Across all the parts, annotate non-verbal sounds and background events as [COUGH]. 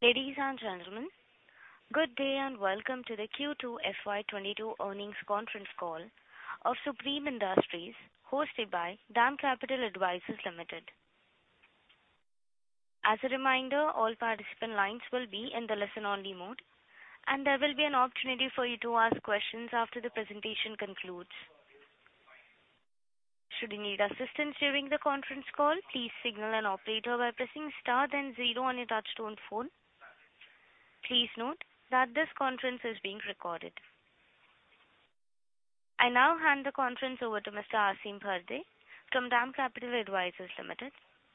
Ladies and gentlemen, good day and Welcome to the Q2 FY 2022 Earnings Conference Call of Supreme Industries, hosted by DAM Capital Advisors Limited. As a reminder, all participant lines will be in the listen-only mode, and there will be an opportunity for you to ask questions after the presentation concludes. Should you need assistance during the conference call, please signal an operator by pressing star then zero on your touch-tone phone. Please note that this conference is being recorded. I now hand the conference over to Mr. Aasim Bharde from DAM Capital Advisors Limited.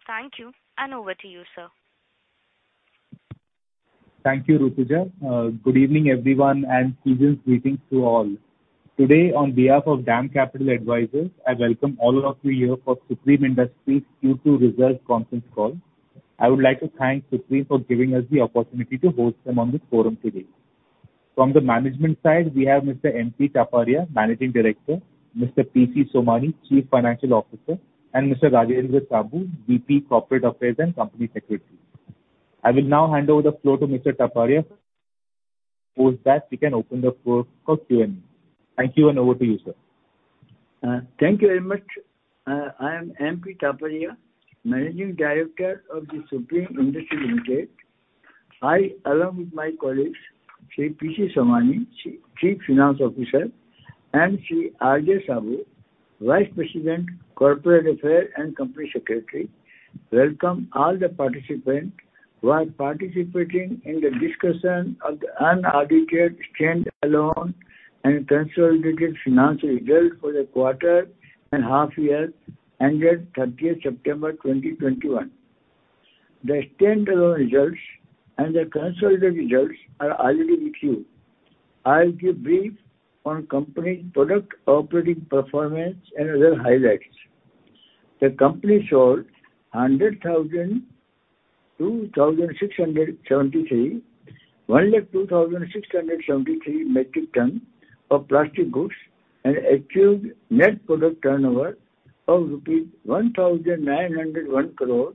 Thank you, and over to you, sir. Thank you, Rutuja. Good evening, everyone, and seasonal greetings to all. Today, on behalf of DAM Capital Advisors, I welcome all of you here for Supreme Industries Q2 results conference call. I would like to thank Supreme for giving us the opportunity to host them on this forum today. From the management side, we have Mr. M. P. Taparia, Managing Director, Mr. P.C. Somani, Chief Financial Officer, and Mr. Rajendra J. Saboo, VP Corporate Affairs and Company Secretary. I will now hand over the floor to Mr. Taparia. Post that, we can open the floor for Q&A. Thank you, and over to you, sir. Thank you very much. I am M. P. Taparia, Managing Director of The Supreme Industries Limited. I, along with my colleagues, Mr. P.C. Somani, Chief Financial Officer, and Mr. Rajendra J. Saboo, Vice President, Corporate Affairs and Company Secretary, welcome all the participants who are participating in the discussion of the unaudited stand-alone and consolidated financial results for the quarter and half year ended 30th September 2021. The stand-alone results and the consolidated results are already with you. I'll give brief on company product operating performance and other highlights. The company sold 102,673 metric ton of plastic goods and achieved net product turnover of rupees 1,901 crore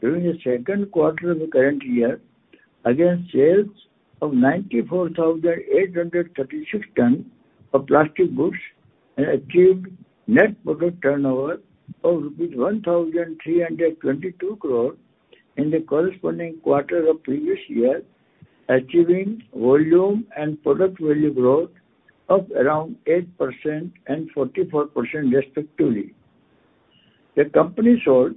during the Q2 of the current year against sales of 94,836 ton of plastic goods and achieved net product turnover of INR 1,322 crore in the corresponding quarter of previous year, achieving volume and product value growth of around 8% and 44% respectively. The company sold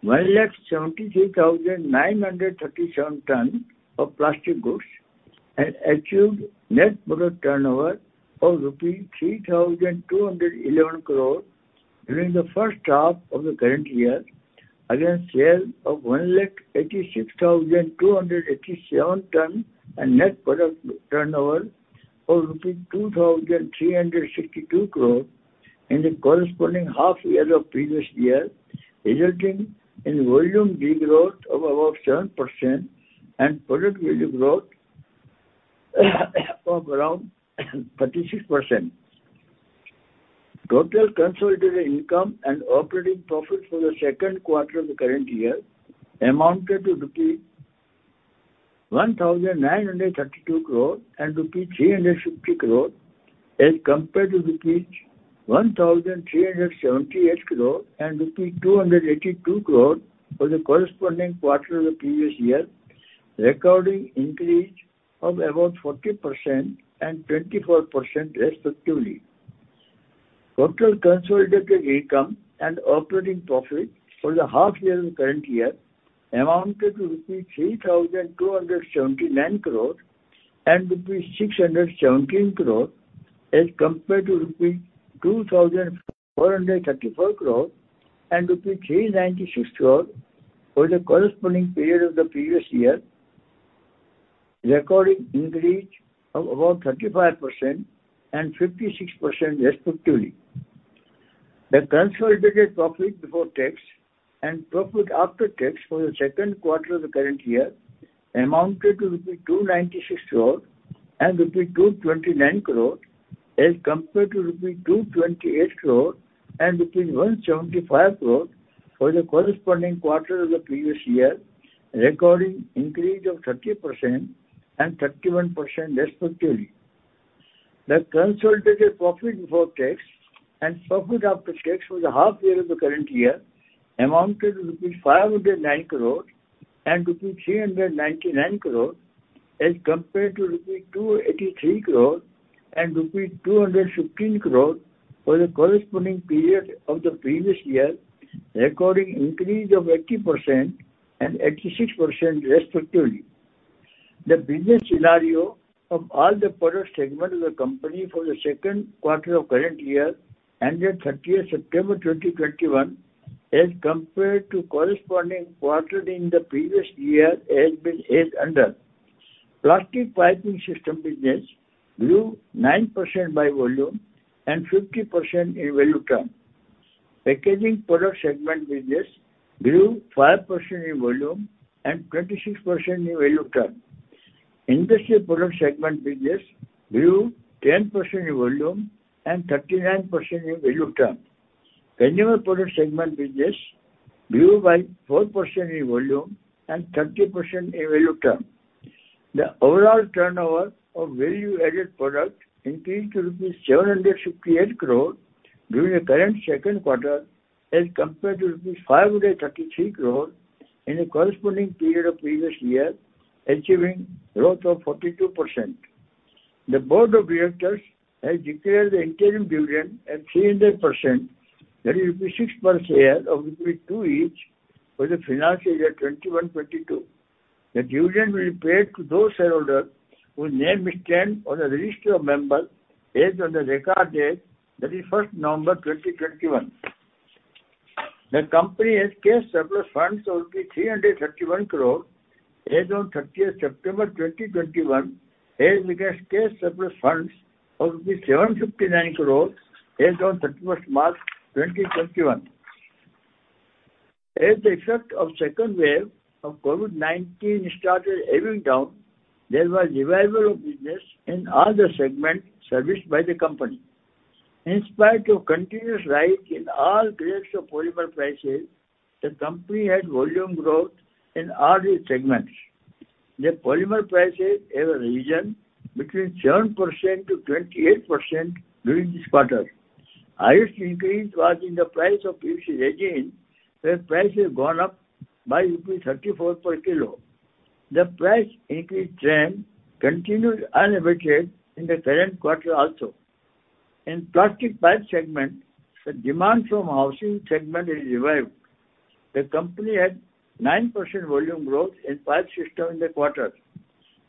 173,937 ton of plastic goods and achieved net product turnover of rupees 3,211 crore during the first half of the current year against sale of 186,287 ton and net product turnover of rupees 2,362 crore in the corresponding half year of previous year, resulting in volume de-growth of about 7% and product value growth of around 36%. Total consolidated income and operating profit for the Q2 of the current year amounted to rupee 1,932 crore and rupee 350 crore as compared to rupee 1,378 crore and rupee 282 crore for the corresponding quarter of the previous year, recording increase of about 40% and 24% respectively. Total consolidated income and operating profit for the half year of the current year amounted to rupees 3,279 crore and rupees 617 crore as compared to rupees 2,434 crore and rupees 396 crore for the corresponding period of the previous year, recording increase of about 35% and 56% respectively. The consolidated profit before tax and profit after tax for the Q2 of the current year amounted to rupees 296 crore and rupees 229 crore as compared to rupees 228 crore and rupees 175 crore for the corresponding quarter of the previous year, recording increase of 30% and 31% respectively. The consolidated profit before tax and profit after tax for the half year of the current year amounted to 509 crore and 399 crore as compared to 283 crore and 215 crore for the corresponding period of the previous year, recording increase of 80% and 86% respectively. The business scenario of all the product segments of the company for the Q2 of current year ended 30th September 2021 as compared to corresponding quarter in the previous year has been as under. Plastic Piping Systems business grew 9% by volume and 50% in value term. Packaging Products segment business grew 5% in volume and 26% in value term. Industrial Products segment business grew 10% in volume and 39% in value term. Consumer Products segment business grew by 4% in volume and 30% in value term. The overall turnover of value-added product increased to rupees 758 crore during the current Q2 as compared to rupees 533 crore in the corresponding period of previous year, achieving growth of 42%. The Board of Directors has declared the interim dividend at 300%, that is rupees 6 per share of rupees 2 each, for the financial year 2021-2022. The dividend will be paid to those shareholders whose name is stand on the register of members as on the record date, that is 1st November 2021. The company has cash surplus funds of 331 crore as on 30th September 2021, as against cash surplus funds of 759 crore as on 31st March 2021. As the effect of second wave of COVID-19 started ebbing down, there was revival of business in all the segments serviced by the company. In spite of continuous rise in all grades of polymer prices, the company had volume growth in all the segments. The polymer prices have risen between 7%-28% during this quarter. Highest increase was in the price of PVC resin, where price has gone up by rupees 34 per kilo. The price increase trend continued unabated in the current quarter also. In plastic pipe segment, the demand from housing segment is revived. The company had 9% volume growth in pipe system in the quarter.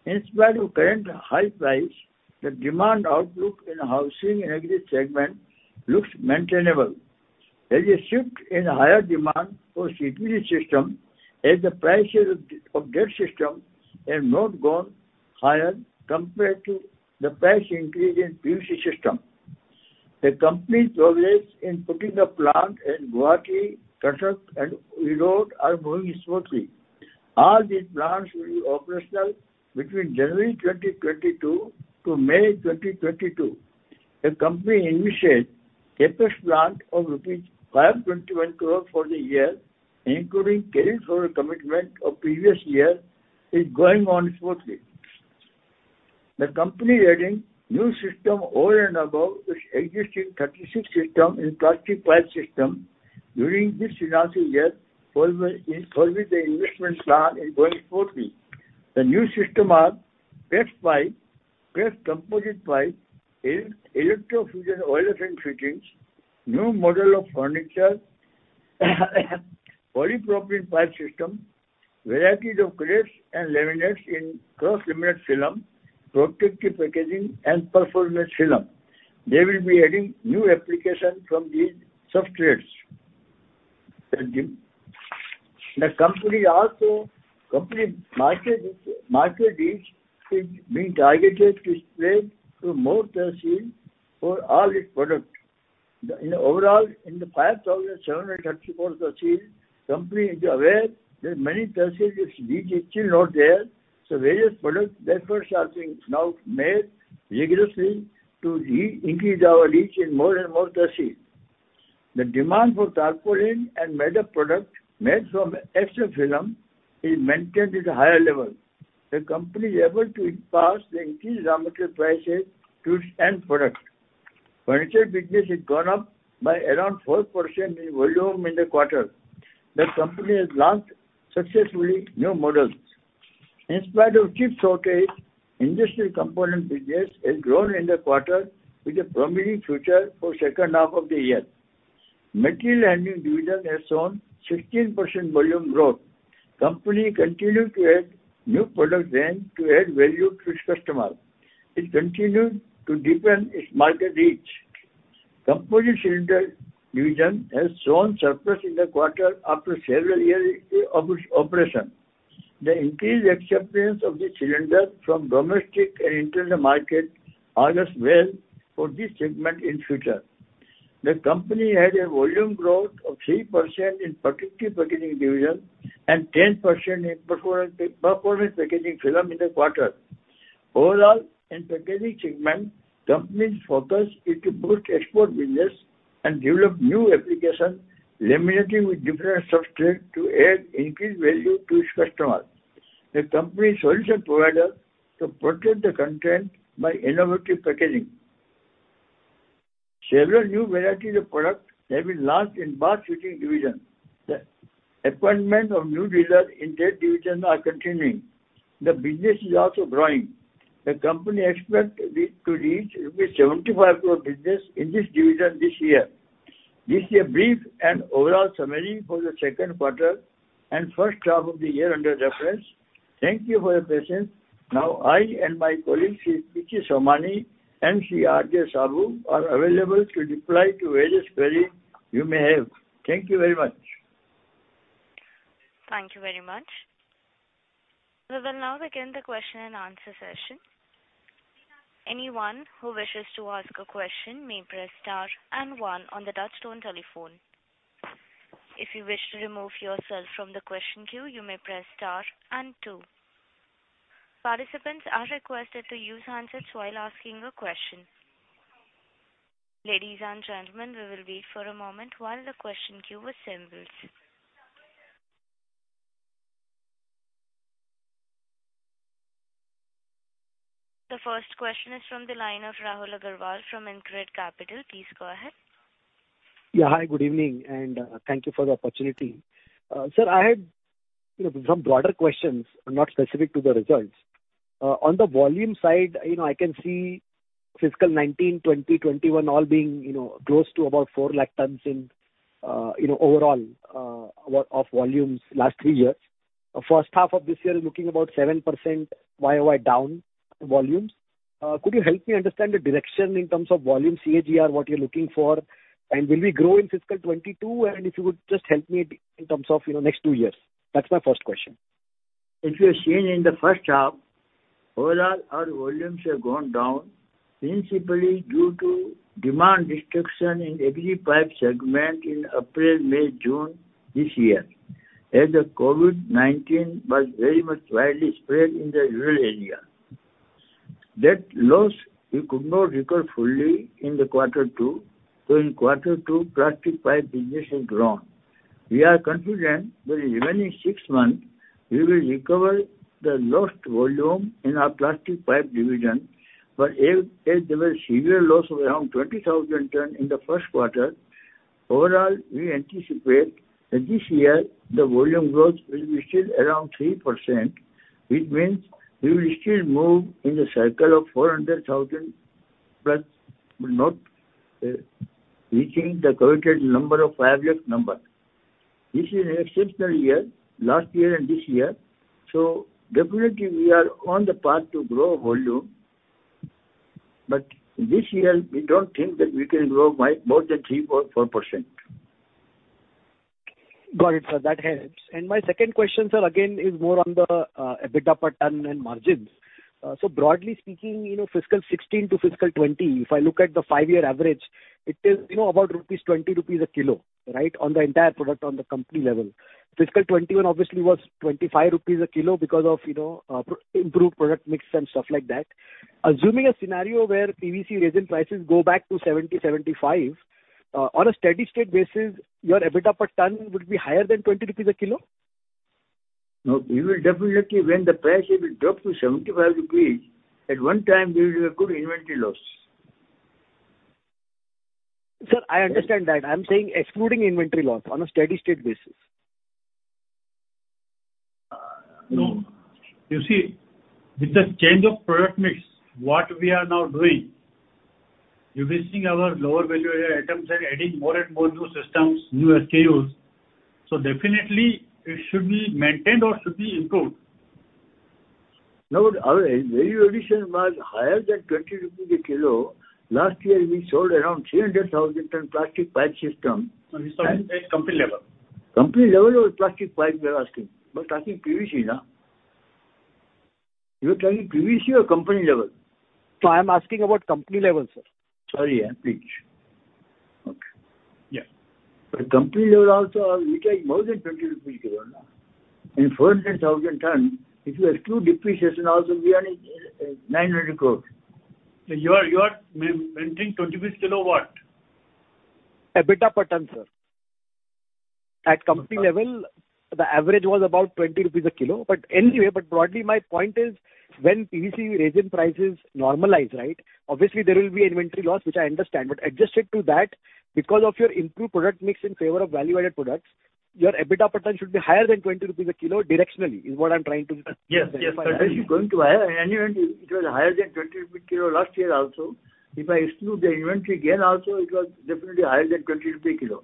In spite of current high price, the demand outlook in housing and agri segment looks maintainable. There's a shift in higher demand for CPVC system as the prices of that system have not gone higher compared to the price increase in PVC system. The company's progress in putting a plant in Guwahati, Cuttack, and Erode are moving smoothly. All these plants will be operational between January 2022 to May 2022. The company initiates CapEx plant of rupees 521 crore for the year, including carry forward commitment of previous year, is going on smoothly. The company adding new system over and above its existing 36 system in plastic pipe system during this financial year, following the investment plan is going smoothly. The new system are PEX pipe, PEX composite pipe, electrofusion and welding fittings, new model of furniture, polypropylene pipe system, varieties of crates and laminates in cross laminated film, protective packaging, and performance film. They will be adding new application from these substrates. The company market reach is being targeted to spread to more tehsil for all its product. Overall, in the 5,734 tehsil, company is aware that many tehsil its reach is still not there, so various product efforts are being now made rigorously to increase our reach in more and more tehsil. The demand for tarpaulin and made-up product made from XF Film is maintained at a higher level. The company is able to pass the increased raw material prices to its end product. Furniture business has gone up by around 4% in volume in the quarter. The company has launched successfully new models. In spite of chip shortage, industrial component business has grown in the quarter with a promising future for second half of the year. Material handling division has shown 16% volume growth. Company continue to add new product range to add value to its customers. It continues to deepen its market reach. Composite cylinder division has shown surplus in the quarter after several years of its operation. The increased acceptance of the cylinder from domestic and international market harbors well for this segment in future. The company had a volume growth of 3% in protective packaging division and 10% in performance packaging film in the quarter. Overall, in packaging segment, company's focus is to boost export business and develop new application, laminating with different substrate to add increased value to its customers. The company is solution provider to protect the content by innovative packaging. Several new varieties of product have been launched in bath fitting division. The appointment of new dealers in that division are continuing. The business is also growing. The company expects it to reach rupees 75 crore business in this division this year. This is a brief and overall summary for the Q2 and first half of the year under reference. Thank you for your patience. I and my colleague, Shri P.C. Somani and Shri R.J. Saboo, are available to reply to various query you may have. Thank you very much. Thank you very much. We will now begin the question-and-answer session. Anyone who wishes to ask a question may press star and one on the touch-tone telephone. If you wish to remove yourself from the question queue, you may press star and two. Participants are requested to use handsets while asking a question. Ladies and gentlemen, we will wait for a moment while the question queue assembles. The first question is from the line of Rahul Agarwal from Incred Capital. Please go ahead. Yeah. Hi, good evening, and thank you for the opportunity. Sir, I had some broader questions, not specific to the results. On the volume side, I can see fiscal 2019, 2020, 2021 all being close to about 4 lakh tons in overall of volumes last three years. First half of this year is looking about 7% year-over-year down volumes. Could you help me understand the direction in terms of volume CAGR, what you're looking for? Will we grow in fiscal 2022? If you would just help me in terms of next two years. That's my first question. If you have seen in the first half, overall, our volumes have gone down, principally due to demand destruction in every pipe segment in April, May, June this year, as the COVID-19 was very much widely spread in the rural area. That loss we could not recover fully in the quarter two. In quarter two, plastic pipe business has grown. We are confident that in the remaining six months, we will recover the lost volume in our plastic pipe division. As there was severe loss of around 20,000 tons in the Q1, overall, we anticipate that this year the volume growth will be still around 3%, which means we will still move in the cycle of 400,000+ but not reaching the coveted number of 5 lakh number. This is an exceptional year, last year and this year, so definitely we are on the path to grow volume. This year, we don't think that we can grow by more than 3% or 4%. Got it, sir. That helps. My second question, sir, again, is more on the EBITDA per ton and margins. Broadly speaking, fiscal 2016 to fiscal 2020, if I look at the five-year average, it is about 20 rupees a kilo, right, on the entire product on the company level. Fiscal 2021 obviously was 25 rupees a kilo because of improved product mix and stuff like that. Assuming a scenario where PVC resin prices go back to 70, 75, on a steady state basis, your EBITDA per ton would be higher than 20 rupees a kilo? No. We will definitely, when the price it will drop to 75 rupees, at one time there will be a good inventory loss. Sir, I understand that. I'm saying excluding inventory loss on a steady state basis. No. You see, with the change of product mix, what we are now doing, revisiting our lower value items and adding more and more new systems, new SKUs. Definitely it should be maintained or should be improved. No, our value addition was higher than 20 rupees a kilo. Last year we sold around 300,000 ton plastic pipe system. I'm talking at company level. Company level or plastic pipe you are asking? We're talking PVC. You're talking PVC or company level? Sir, I'm asking about company level, sir. Sorry. Please. Okay. Yeah. For company level also, we take more than 20 rupees a kilo. In 400,000 ton, if you exclude depreciation also, we are making 900 crore. You are maintaining 20 rupees kilo what? EBITDA per ton, sir. At company level, the average was about 20 rupees a kilo. Anyway, broadly my point is when PVC resin prices normalize, obviously there will be inventory loss, which I understand. Adjusted to that, because of your improved product mix in favor of value-added products, your EBITDA per ton should be higher than 20 rupees a kilo directionally. Yes. It is going to be higher. It was higher than 20 rupees a kilo last year also. If I exclude the inventory gain also, it was definitely higher than 20 rupees a kilo.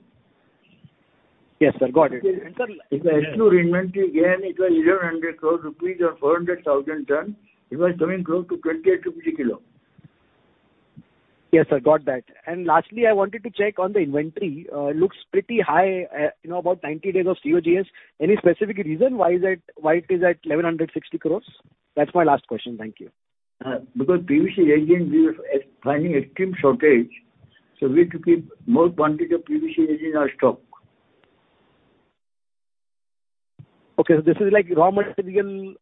Yes, sir. Got it. If I exclude inventory gain, it was 1,100 crore rupees or 400,000 tons. It was coming close to 28 rupees a kilo. Yes, sir. Got that. Lastly, I wanted to check on the inventory. Looks pretty high, about 90 days of COGS. Any specific reason why it is at 1,160 crores? That's my last question. Thank you. PVC resin, we were finding extreme shortage, so we took in more quantity of PVC resin in our stock. Okay. This is like raw material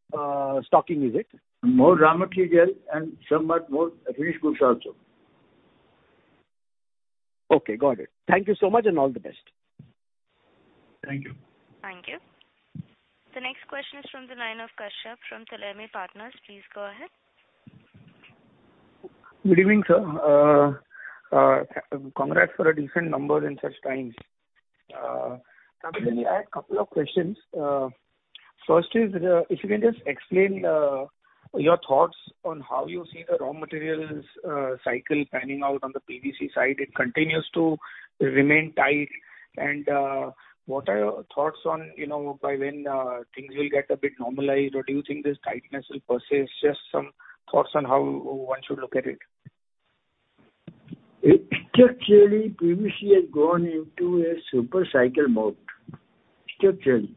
stocking, is it? More raw material and somewhat more finished goods also. Okay, got it. Thank you so much, and all the best. Thank you. Thank you. The next question is from the line of Kashyap from Theleme Partners. Please go ahead. Good evening, sir. Congrats for a decent number in such times. Sir, I had two questions. First is, if you can just explain your thoughts on how you see the raw materials cycle panning out on the PVC side. It continues to remain tight. What are your thoughts on by when things will get a bit normalized? Or do you think this tightness will persist? Just some thoughts on how one should look at it. Structurally, PVC has gone into a super cycle mode. Structurally,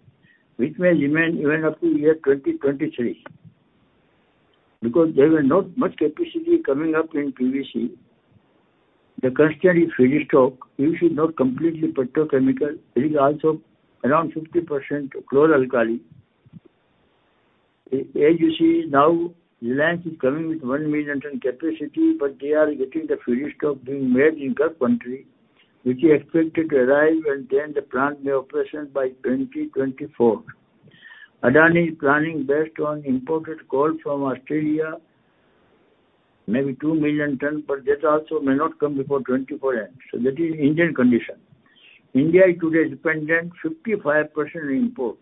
which may remain even up to year 2023, because there is not much capacity coming up in PVC. The constant is feedstock. PVC is not completely petrochemical, it is also around 50% chlor-alkali. As you see now, Lanco is coming with 1 million ton capacity, but they are getting the feedstock being made in Gulf country, which is expected to arrive, and then the plant may operation by 2024. Adani is planning based on imported coal from Australia, maybe 2 million tons, but that also may not come before 2024 end. That is Indian condition. India is today dependent 55% on import.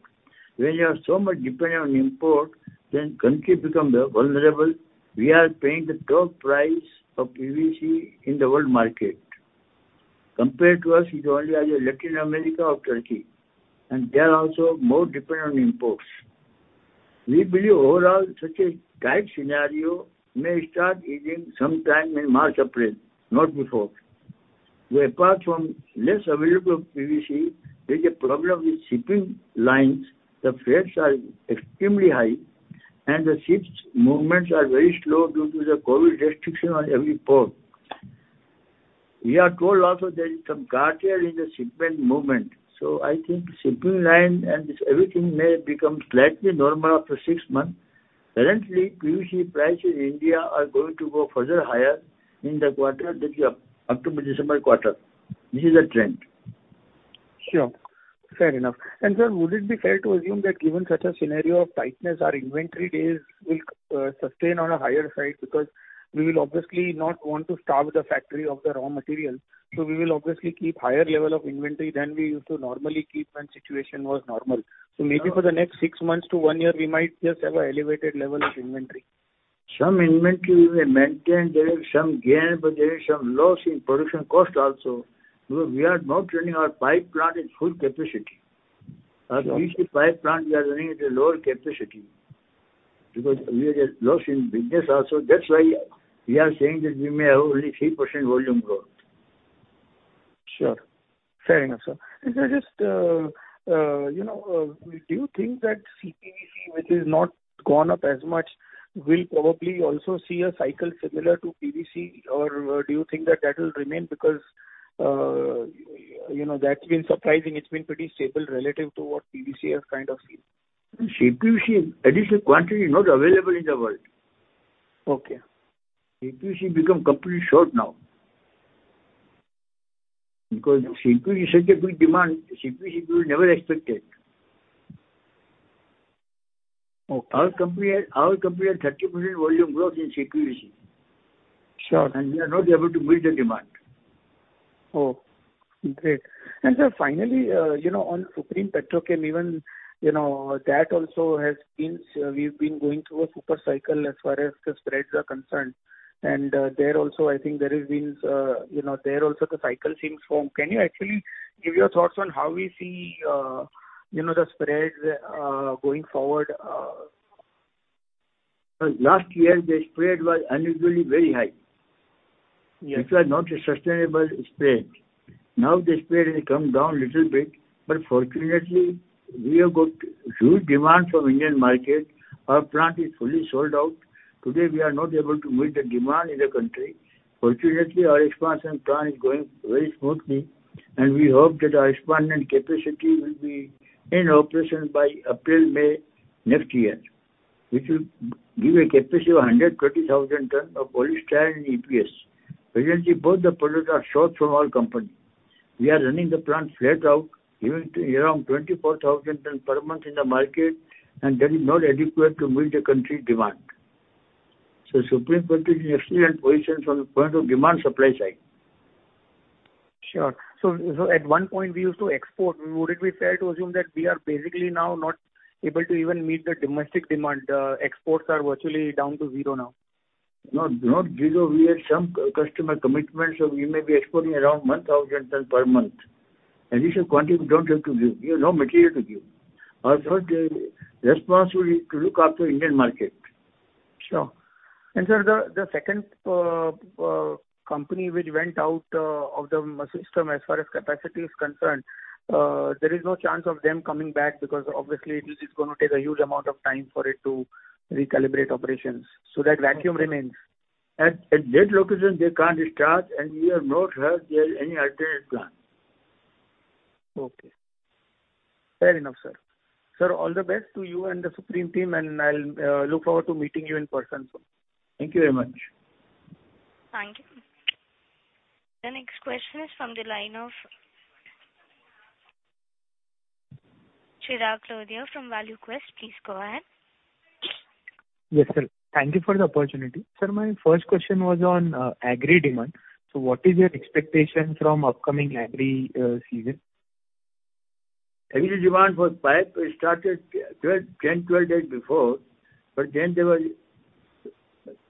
When you are so much dependent on import, then country becomes vulnerable. We are paying the top price of PVC in the world market. Compared to us is only either Latin America or Turkey, and they are also more dependent on imports. We believe overall such a tight scenario may start easing sometime in March, April, not before. Where apart from less available PVC, there's a problem with shipping lines. The freights are extremely high, and the ships' movements are very slow due to the COVID-19 restriction on every port. We are told also there is some cartel in the shipment movement. I think shipping line and this everything may become slightly normal after six months. Currently, PVC prices in India are going to go further higher in the quarter that we are up to December quarter. This is a trend. Sure. Fair enough. Sir, would it be fair to assume that given such a scenario of tightness, our inventory days will sustain on a higher side because we will obviously not want to starve the factory of the raw material. We will obviously keep higher level of inventory than we used to normally keep when situation was normal. Maybe for the next six months to one year, we might just have an elevated level of inventory. Some inventory we may maintain. There is some gain, but there is some loss in production cost also. Because we are not running our pipe plant in full capacity. Our PVC pipe plant, we are running at a lower capacity because we are at a loss in business also. That's why we are saying that we may have only 3% volume growth. Sure. Fair enough, sir. Sir, just do you think that CPVC, which has not gone up as much, will probably also see a cycle similar to PVC? Do you think that will remain because that's been surprising. It's been pretty stable relative to what PVC has kind of seen. CPVC additional quantity is not available in the world. Okay. CPVC become completely short now. CPVC such a big demand, CPVC we never expected. Okay. Our company had 30% volume growth in CPVC. Sure. We are not able to meet the demand. Oh, great. Sir, finally, on Supreme Petrochem, even that also we've been going through a super cycle as far as the spreads are concerned. There also, I think there also the cycle seems strong. Can you actually give your thoughts on how we see the spreads going forward? Last year, the spread was unusually very high. Which was not a sustainable spread. Now the spread has come down little bit, but fortunately, we have got huge demand from Indian market. Our plant is fully sold out. Today, we are not able to meet the demand in the country. Fortunately, our expansion plan is going very smoothly, and we hope that our expanded capacity will be in operation by April, May next year, which will give a capacity of 130,000 tons of polystyrene and EPS. Presently, both the products are short from all companies. We are running the plant flat out, giving around 24,000 tons per month in the market, and that is not adequate to meet the country demand. Supreme Petrochem is in excellent position from the point of demand supply side. Sure. At one point we used to export. Would it be fair to assume that we are basically now not able to even meet the domestic demand? Exports are virtually down to zero now. No, not zero. We have some customer commitments, we may be exporting around 1,000 ton per month. Additional quantity, we don't have to give. We have no material to give. Our first responsibility is to look after Indian market. Sure. Sir, the second company which went out of the system as far as capacity is concerned, there is no chance of them coming back because obviously this is going to take a huge amount of time for it to recalibrate operations. That vacuum remains. At that location, they can't restart, and we have not heard they have any alternate plan. Okay. Fair enough, sir. Sir, all the best to you and the Supreme team, and I'll look forward to meeting you in person soon. Thank you very much. Thank you. The next question is from the line of Chirag Lodaya from ValueQuest. Please go ahead. Yes, sir. Thank you for the opportunity. Sir, my first question was on agri demand. What is your expectation from upcoming agri season? Agri demand for pipe started 10, 12 days before, but then there was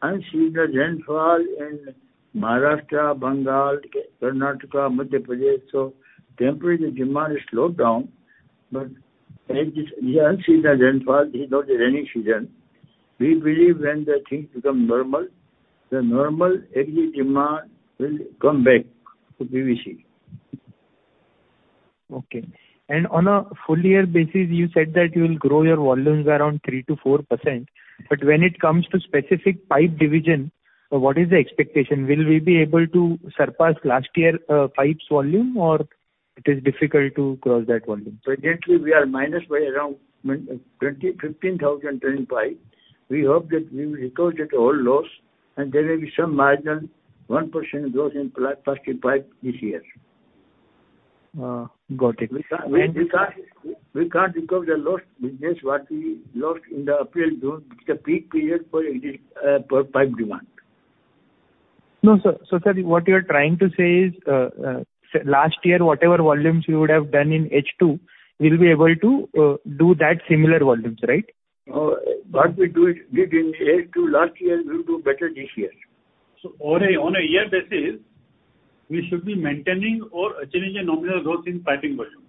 unusual rainfall in Maharashtra, Bengal, Karnataka, Madhya Pradesh. Temporarily demand is slowed down, but we had unusual rainfall. This is not the rainy season. We believe when the things become normal, the normal agri demand will come back to PVC. Okay. On a full year basis, you said that you will grow your volumes around 3%-4%. When it comes to specific pipe division, what is the expectation? Will we be able to surpass last year pipes volume or it is difficult to cross that volume? Presently, we are minus by around 15,000 ton pipe. We hope that we will recover the whole loss and there may be some margin, 1% growth in plastic pipe this year. Got it. We can't recover the lost business, what we lost in the April, June, which is a peak period for pipe demand. No, sir. Sir, what you're trying to say is, last year, whatever volumes you would have done in H2, we'll be able to do that similar volumes, right? What we did in H2 last year, we'll do better this year. On a year basis, we should be maintaining or achieving a nominal growth in piping volume.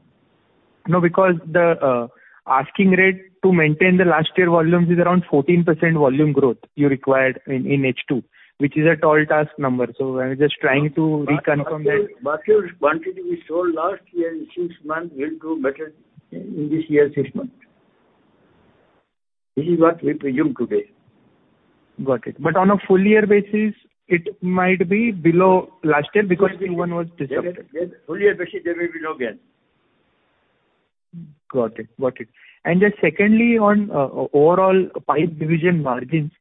No, because the asking rate to maintain the last year volumes is around 14% volume growth you required in H2, which is a tall task number. I'm just trying to reconfirm that. Still, quantity we sold last year in six months, we'll do better in this year, six months. This is what we presume today. Got it. On a full year basis, it might be below last year because Q1 was disrupted. Full year basis, there may be no gain. Got it. Secondly, on overall pipe division margins,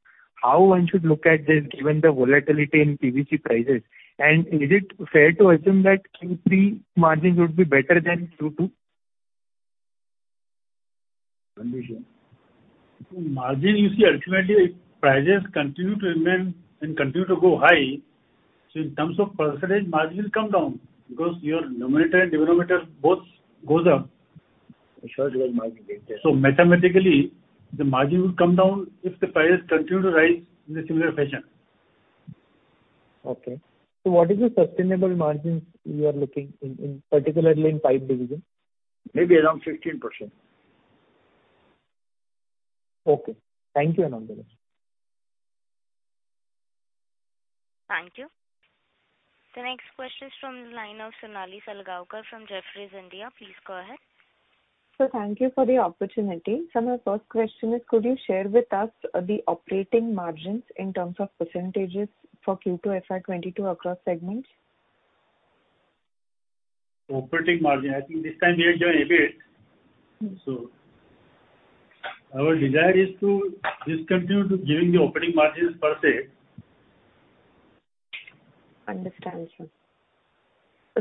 how one should look at this given the volatility in PVC prices. Is it fair to assume that Q3 margins would be better than Q2? Margin, you see ultimately prices continue to remain and continue to go high. In terms of percentage, margin will come down because your numerator and denominator both goes up. Sure, your margin will be there. Mathematically, the margin will come down if the prices continue to rise in a similar fashion. Okay. What is the sustainable margins you are looking, particularly in pipe division? Maybe around 15%. Okay. Thank you. Thank you. The next question is from the line of Sonali Salgaonkar from Jefferies India. Please go ahead. Sir, thank you for the opportunity. Sir, my first question is, could you share with us the operating margins in terms of percentage for Q2 FY 2022 across segments? Operating margin, I think this time we have done EBIT. Our desire is to discontinue giving the operating margins per se. Understand, sir.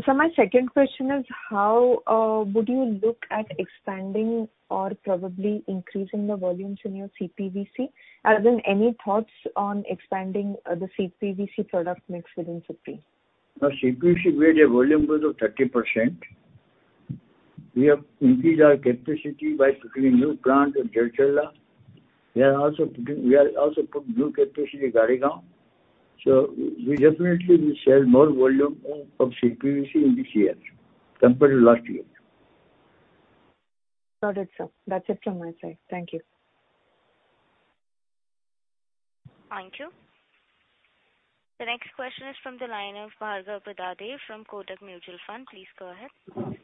Sir, my second question is, how would you look at expanding or probably increasing the volumes in your CPVC? As in, any thoughts on expanding the CPVC product mix within Supreme? CPVC, we had a volume growth of 30%. We have increased our capacity by putting a new plant in Jadcherla. We are also putting new capacity in Karegaon. Definitely we sell more volume of CPVC in this year compared to last year. Got it, sir. That's it from my side. Thank you. Thank you. The next question is from the line of Bhargav Buddhadev from Kotak Mutual Fund. Please go ahead.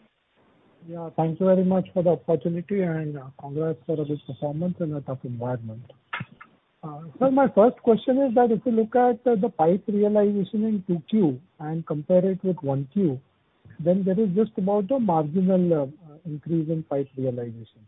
Yeah. Thank you very much for the opportunity and congrats for this performance in a tough environment. Sir, my first question is that if you look at the pipe realization in 2Q and compare it with 1Q, there is just about a marginal increase in pipe realization.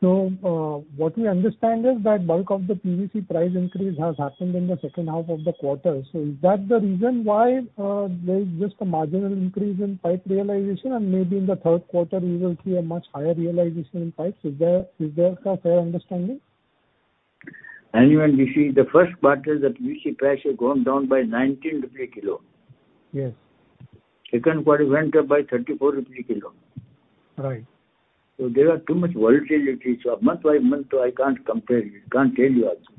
What we understand is that bulk of the PVC price increase has happened in the second half of the quarter. Is that the reason why there is just a marginal increase in pipe realization and maybe in the Q3, we will see a much higher realization in pipes? Is that a fair understanding? When we see the Q1, the PVC price has gone down by 90 rupees a kilo. Yes. Q2, it went up by 34 rupees a kilo. Right. There are too much volatility. Month by month, I can't compare it. Can't tell you also.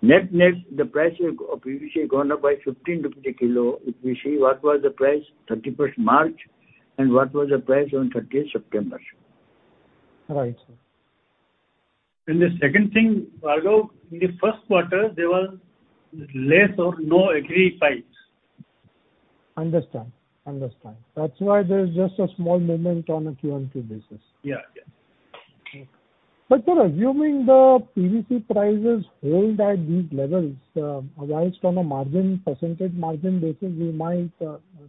Net-net, the price of PVC gone up by 15 a kilo, if we see what was the price 31st March and what was the price on 30th September. Right, sir. The second thing, Bhargav, in the Q1, there was less or no agri pipes. Understand. That's why there's just a small movement on a QOQ basis. Yeah. Sir, assuming the PVC prices hold at these levels, wise on a margin, percentage margin basis, we might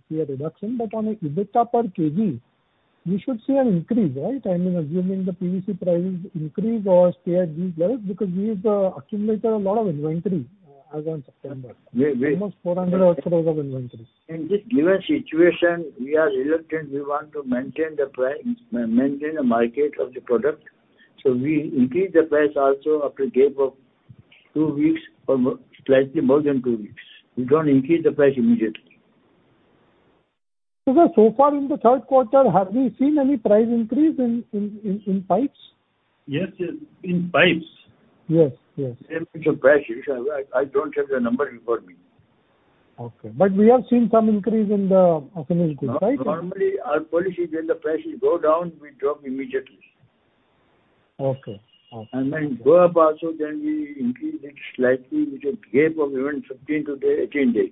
see a reduction, but on an EBITDA per kg, we should see an increase, right? I mean, assuming the PVC prices increase or stay at these levels, because we've accumulated a lot of inventory as on September. Almost 400 odd crores of inventory. In this given situation, we are reluctant. We want to maintain the market of the product. We increase the price also after a gap of two weeks or slightly more than two weeks. We don't increase the price immediately. Far in the Q3, have we seen any price increase in pipes? Yes, in pipes. Yes. Increase in prices. I don't have the number in front of me. Okay. We have seen some increase in the cement goods, right? Normally, our policy when the prices go down, we drop immediately. Okay. When go up also, then we increase it slightly with a gap of even 15-18 days.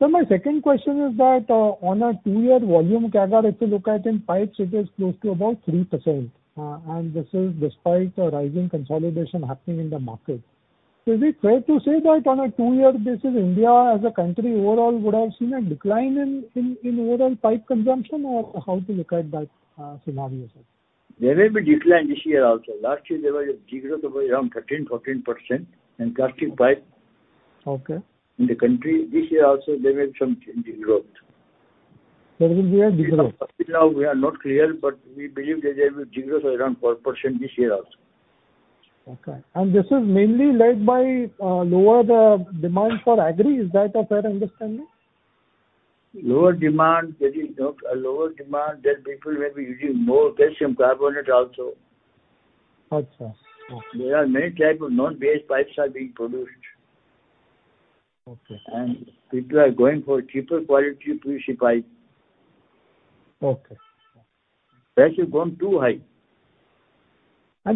Right. Sir, my second question is that on a two-year volume CAGR, if you look at in pipes, it is close to about 3%. This is despite a rising consolidation happening in the market. Is it fair to say that on a two-year basis, India as a country overall would have seen a decline in overall pipe consumption? How to look at that scenario, sir? There may be decline this year also. Last year, there was a de-growth of around 13, 14% in plastic pipe in the country. This year also, there may be some de-growth. There will be a de-growth. Up till now, we are not clear, but we believe that there will be de-growth of around 4% this year also. Okay. This is mainly led by lower demand for agri. Is that a fair understanding? Lower demand, there people may be using more calcium carbonate also. Achha. Okay. There are many type of non-BIS pipes are being produced. Okay. People are going for cheaper quality PVC pipe. Okay. Price has gone too high.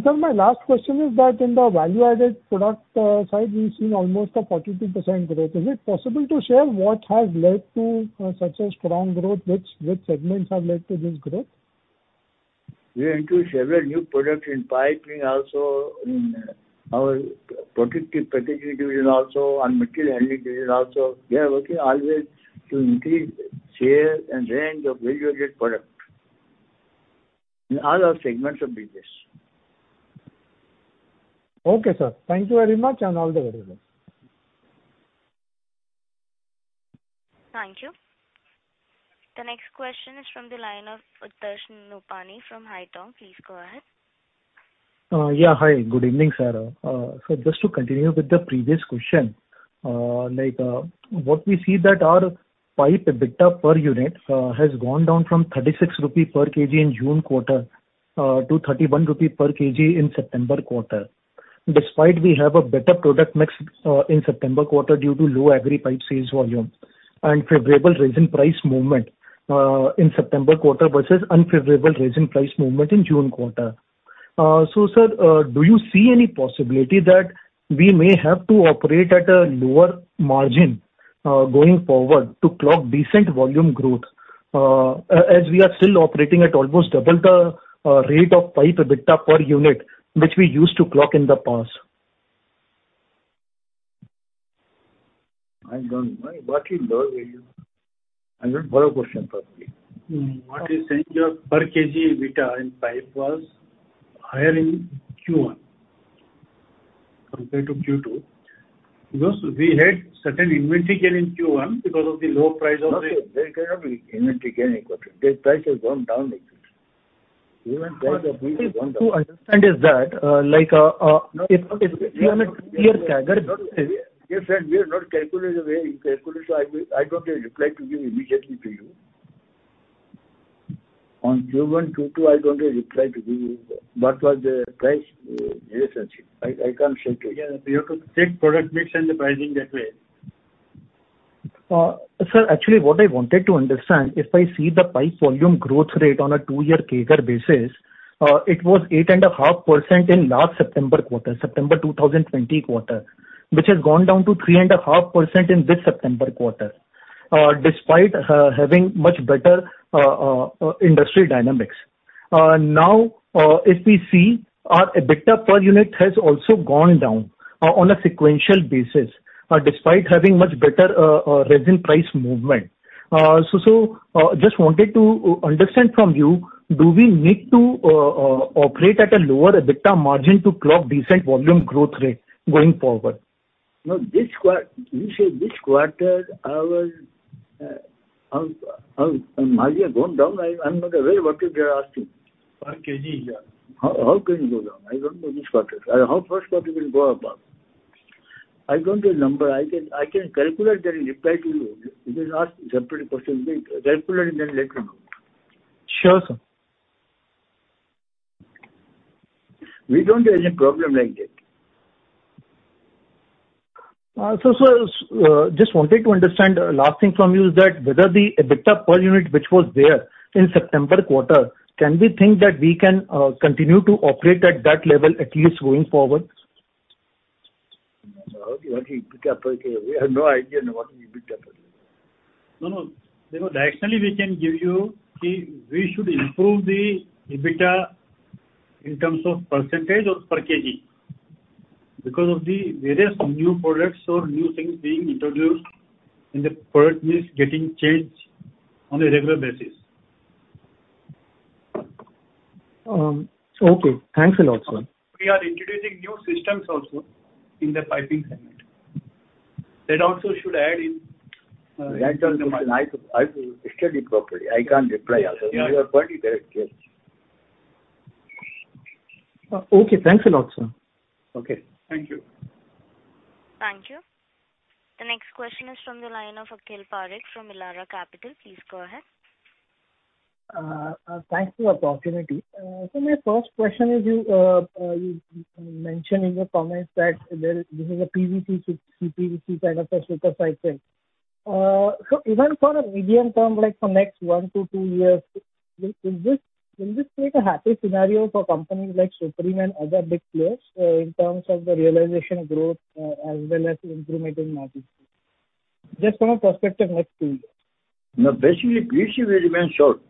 Sir, my last question is that in the value-added product side, we've seen almost a 42% growth. Is it possible to share what has led to such a strong growth, which segments have led to this growth? We are into several new products in piping also, in our protective packaging division also, and material handling division also. We are working always to increase share and range of value-added product in all our segments of business. Okay, sir. Thank you very much and all the very best. Thank you. The next question is from the line of Utkarsh Nopany from Haitong. Please go ahead. Yeah, hi. Good evening, sir. Just to continue with the previous question, what we see that our pipe EBITDA per unit has gone down from 36 rupee per kg in June quarter to 31 rupee per kg in September quarter, despite we have a better product mix in September quarter due to low agri pipe sales volume and favorable resin price movement in September quarter versus unfavorable resin price movement in June quarter. Sir, do you see any possibility that we may have to operate at a lower margin, going forward, to clock decent volume growth? We are still operating at almost double the rate of pipe EBITDA per unit, which we used to clock in the past. I don't know. What is lower volume? I didn't follow question properly. What he's saying is your per kg EBITDA in pipe was higher in Q1 compared to Q2 because we had certain inventory gain in Q1 because of the low price. No, sir. There cannot be inventory gain in quarter. The price has gone down. Even price of. [CROSSTALK] what I understand is that, like. If you want a clear CAGR [CROSSTALK] Yes. We have not calculated the way you calculated, so I don't have reply to give immediately to you. On Q1, Q2, I don't have reply to give you what was the price relationship. I can't say to you. Yeah. You have to take product mix and the pricing that way. Sir, actually, what I wanted to understand, if I see the pipe volume growth rate on a two-year CAGR basis, it was 8.5% in last September quarter, September 2020 quarter. Which has gone down to 3.5% in this September quarter, despite having much better industry dynamics. If we see our EBITDA per unit has also gone down on a sequential basis, despite having much better resin price movement. Just wanted to understand from you, do we need to operate at a lower EBITDA margin to clock decent volume growth rate going forward? No, you say this quarter our margin has gone down. I'm not aware what you are asking. Per kg. How can it go down? I don't know this quarter. How Q1 will go above? I don't know the number. I can calculate then reply to you. You can ask separate question. We'll calculate and then let you know. Sure, sir. We don't have any problem like that. Just wanted to understand, last thing from me is that whether the EBITDA per unit which was there in September quarter, can we think that we can continue to operate at that level, at least going forward? What is EBITDA per kg? We have no idea what is EBITDA per kg. No, directionally, we can give you, we should improve the EBITDA in terms of percentage of per kg because of the various new products or new things being introduced, and the product mix getting changed on a regular basis. Okay. Thanks a lot, sir. We are introducing new systems also in the piping segment. That also should add in to the margin. That question, I have to study properly. I can't reply as you have gone in direct sales. Okay. Thanks a lot, sir. Okay. Thank you. Thank you. The next question is from the line of Akhil Parekh from Elara Capital. Please go ahead. Thanks for the opportunity. Sir, my first question is, you mentioned in your comments that this is a PVC, CPVC kind of a super cycle. Even for the medium term, like for next 1 to two years, will this create a happy scenario for companies like Supreme and other big players in terms of the realization of growth as well as improvement in margins? Just from a prospective next two years. Basically, PVC will remain short.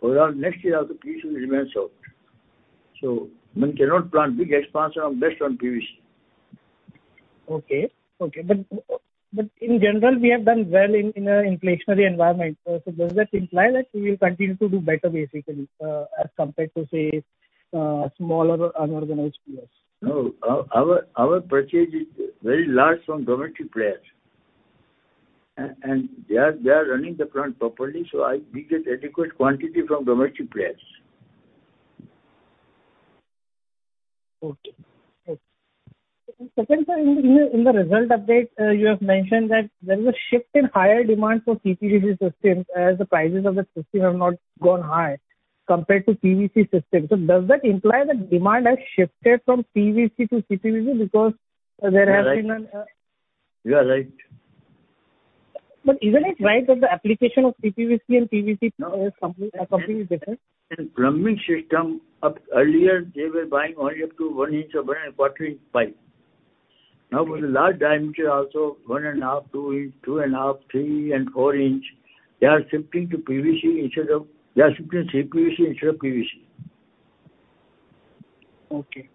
For the next year also, PVC will remain short. One cannot plan big expansion based on PVC. Okay. In general, we have done well in an inflationary environment. Does that imply that we will continue to do better basically, as compared to, say, smaller unorganized players? No. Our purchase is very large from domestic players. They are running the plant properly, so we get adequate quantity from domestic players. Okay. Second time, in the result update, you have mentioned that there is a shift in higher demand for CPVC systems as the prices of the systems have not gone high compared to PVC systems. Does that imply that demand has shifted from PVC to CPVC because there has been an [CROSSTALK] Isn't it right that the application of CPVC and PVC are completely different? In plumbing system, earlier they were buying only up to one inch or 1.25 Inch pipe. Now with large diameter also, 1.5 inch, two inch, 2.5 inch, three and four inch, they are shifting to CPVC instead of PVC. Okay.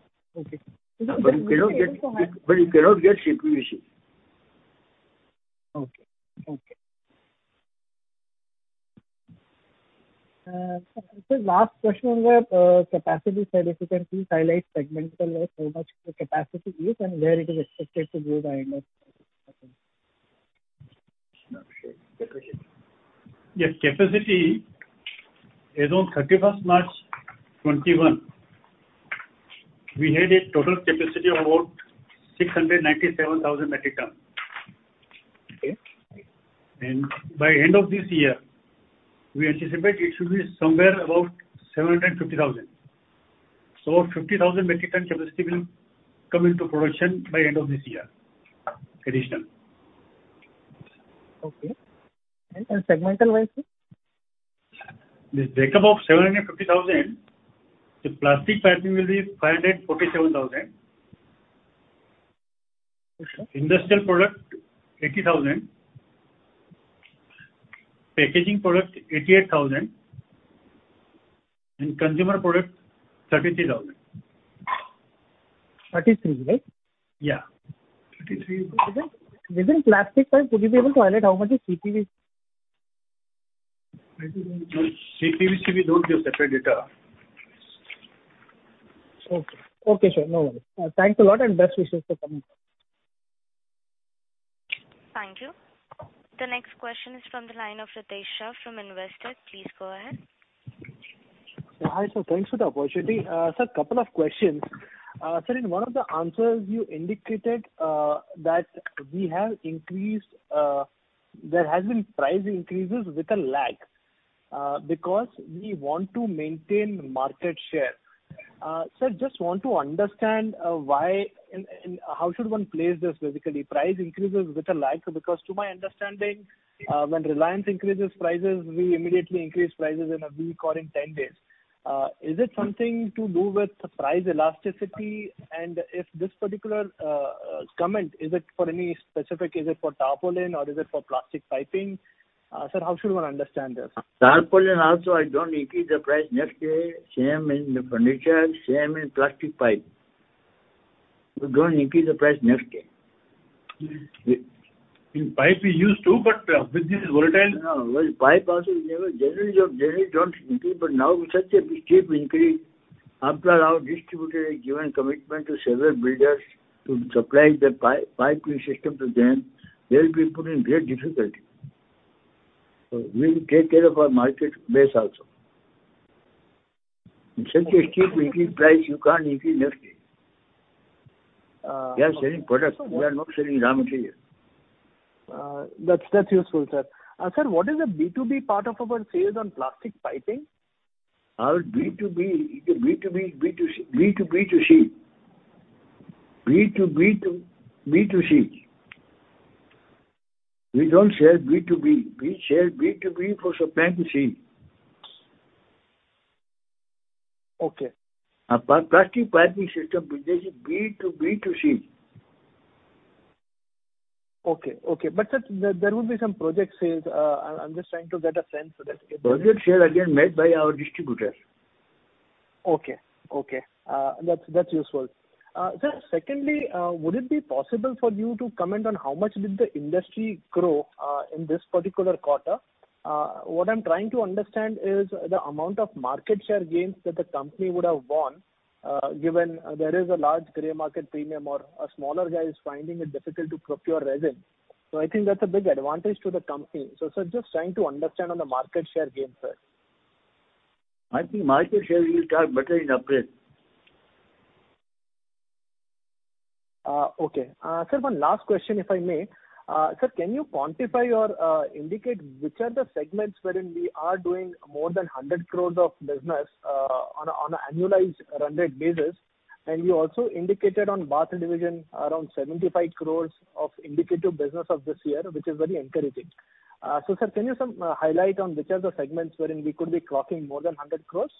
You cannot get CPVC. Okay. Sir, last question on the capacity side, if you can please highlight segmentally how much the capacity is and where it is expected to grow by end of. Yes, capacity. As on 31st March 2021, we had a total capacity of about 697,000 metric tons. Okay. By end of this year, we anticipate it should be somewhere about 750,000 metric tons. 50,000 metric ton capacity will come into production by end of this year, additional. Okay. Segmentally? The breakup of 750,000 metric tons, the plastic piping will be 547,000 metric tons. Okay. Industrial Products, 80,000 metric tons. Packaging Products, 88,000 metric tons. Consumer Products, 33,000 metric tons. 33,000 metric tons, right? Yeah. 33,000 metric tons. Within plastic pipes, would you be able to highlight how much is CPVC? CPVC, we don't give separate data. Okay, sir. No worries. Thanks a lot and best wishes for coming up. Thank you. The next question is from the line of Ritesh Shah from Investec. Please go ahead. Hi, sir. Thanks for the opportunity. Sir, couple of questions. Sir, in one of the answers you indicated, that there has been price increases with a lag, because we want to maintain market share. Sir, just want to understand how should one place this basically, price increases with a lag. Because to my understanding when Reliance increases prices, we immediately increase prices in a week or in 10 days. Is it something to do with price elasticity? If this particular comment, is it for any specific, is it for tarpaulin or is it for Plastic Piping? Sir, how should one understand this? Tarpaulin also, I don't increase the price next day. Same in the furniture, same in plastic pipe. We don't increase the price next day. In pipe we used to, but business is volatile. Pipe also, generally don't increase, but now with such a steep increase, our distributors have given commitment to several builders to supply the piping system to them. They'll be put in great difficulty. We will take care of our market base also. With such a steep increased price, you can't increase next day. We are selling products. We are not selling raw material. That's useful, sir. Sir, what is the B2B part of our sales on Plastic Piping? Our B2C. We don't sell B2B. We sell B2B for supplying to C. Okay. Our Plastic Piping Systems business is B2B2C. Okay. Sir, there will be some project sales. I'm just trying to get a sense. Project sale again made by our distributor. Okay. That's useful. Sir, secondly, would it be possible for you to comment on how much did the industry grow, in this particular quarter? What I'm trying to understand is the amount of market share gains that the company would have won, given there is a large gray market premium or a smaller guy is finding it difficult to procure resin. I think that's a big advantage to the company. Sir, just trying to understand on the market share gains, sir. I think market share will start better in April. Okay. Sir, one last question, if I may. Sir, can you quantify or indicate which are the segments wherein we are doing more than 100 crores of business on an annualized run rate basis? You also indicated on bath division, around 75 crores of indicative business of this year, which is very encouraging. Sir, can you highlight on which are the segments wherein we could be clocking more than 100 crores,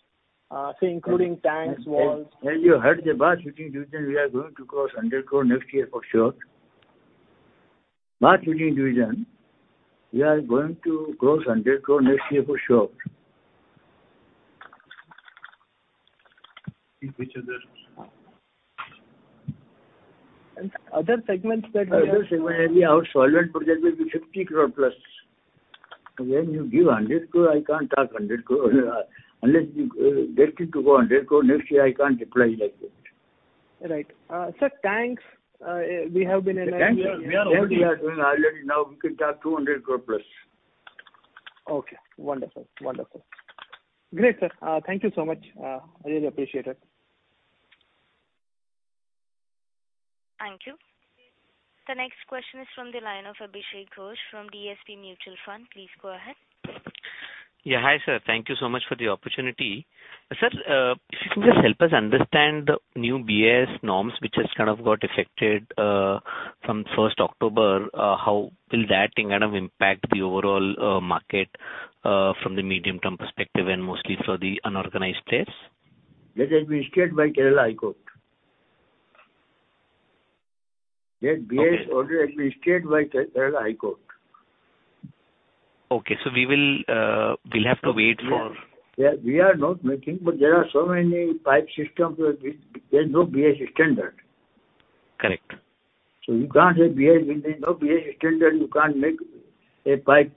say, including tanks, walls? You heard the bath fitting division, we are going to cross INR 100 crore next year for sure. Other segments that we have. Other segment, our solvent project will be 50 crore plus. When you give 100 crore, I can't talk 100 crore. Unless you directly took 100 crore next year, I can't reply like that. Right. Sir, tanks, we have been in [CROSSTALK] Tanks we are doing already. Now we can talk 200 crore plus. Okay. Wonderful. Great, sir. Thank you so much. I really appreciate it. Thank you. The next question is from the line of Abhishek Ghosh from DSP Mutual Fund. Please go ahead. Yeah. Hi, sir. Thank you so much for the opportunity. Sir, if you can just help us understand the new BIS norms, which has kind of got affected from 1st October. How will that kind of impact the overall market, from the medium term perspective and mostly for the unorganized players? That has been stayed by Kerala High Court. That BIS order has been stayed by Kerala High Court. Okay. we'll have to wait for. We are not making, but there are so many pipe systems where there's no BIS standard. Correct. You can't say BIS. There's no BIS standard, you can't make a pipe.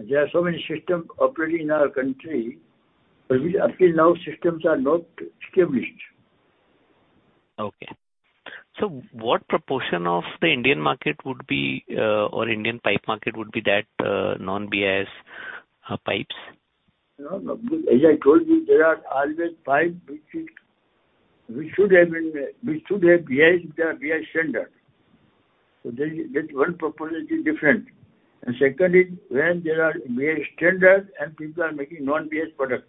There are so many systems operating in our country, which up till now systems are not established. Okay. What proportion of the Indian market would be, or Indian pipe market would be that non-BIS pipes? No, as I told you, there are always pipes which should have BIS standard. So that one proportion is different. Second is, when there are BIS standards and people are making non-BIS product.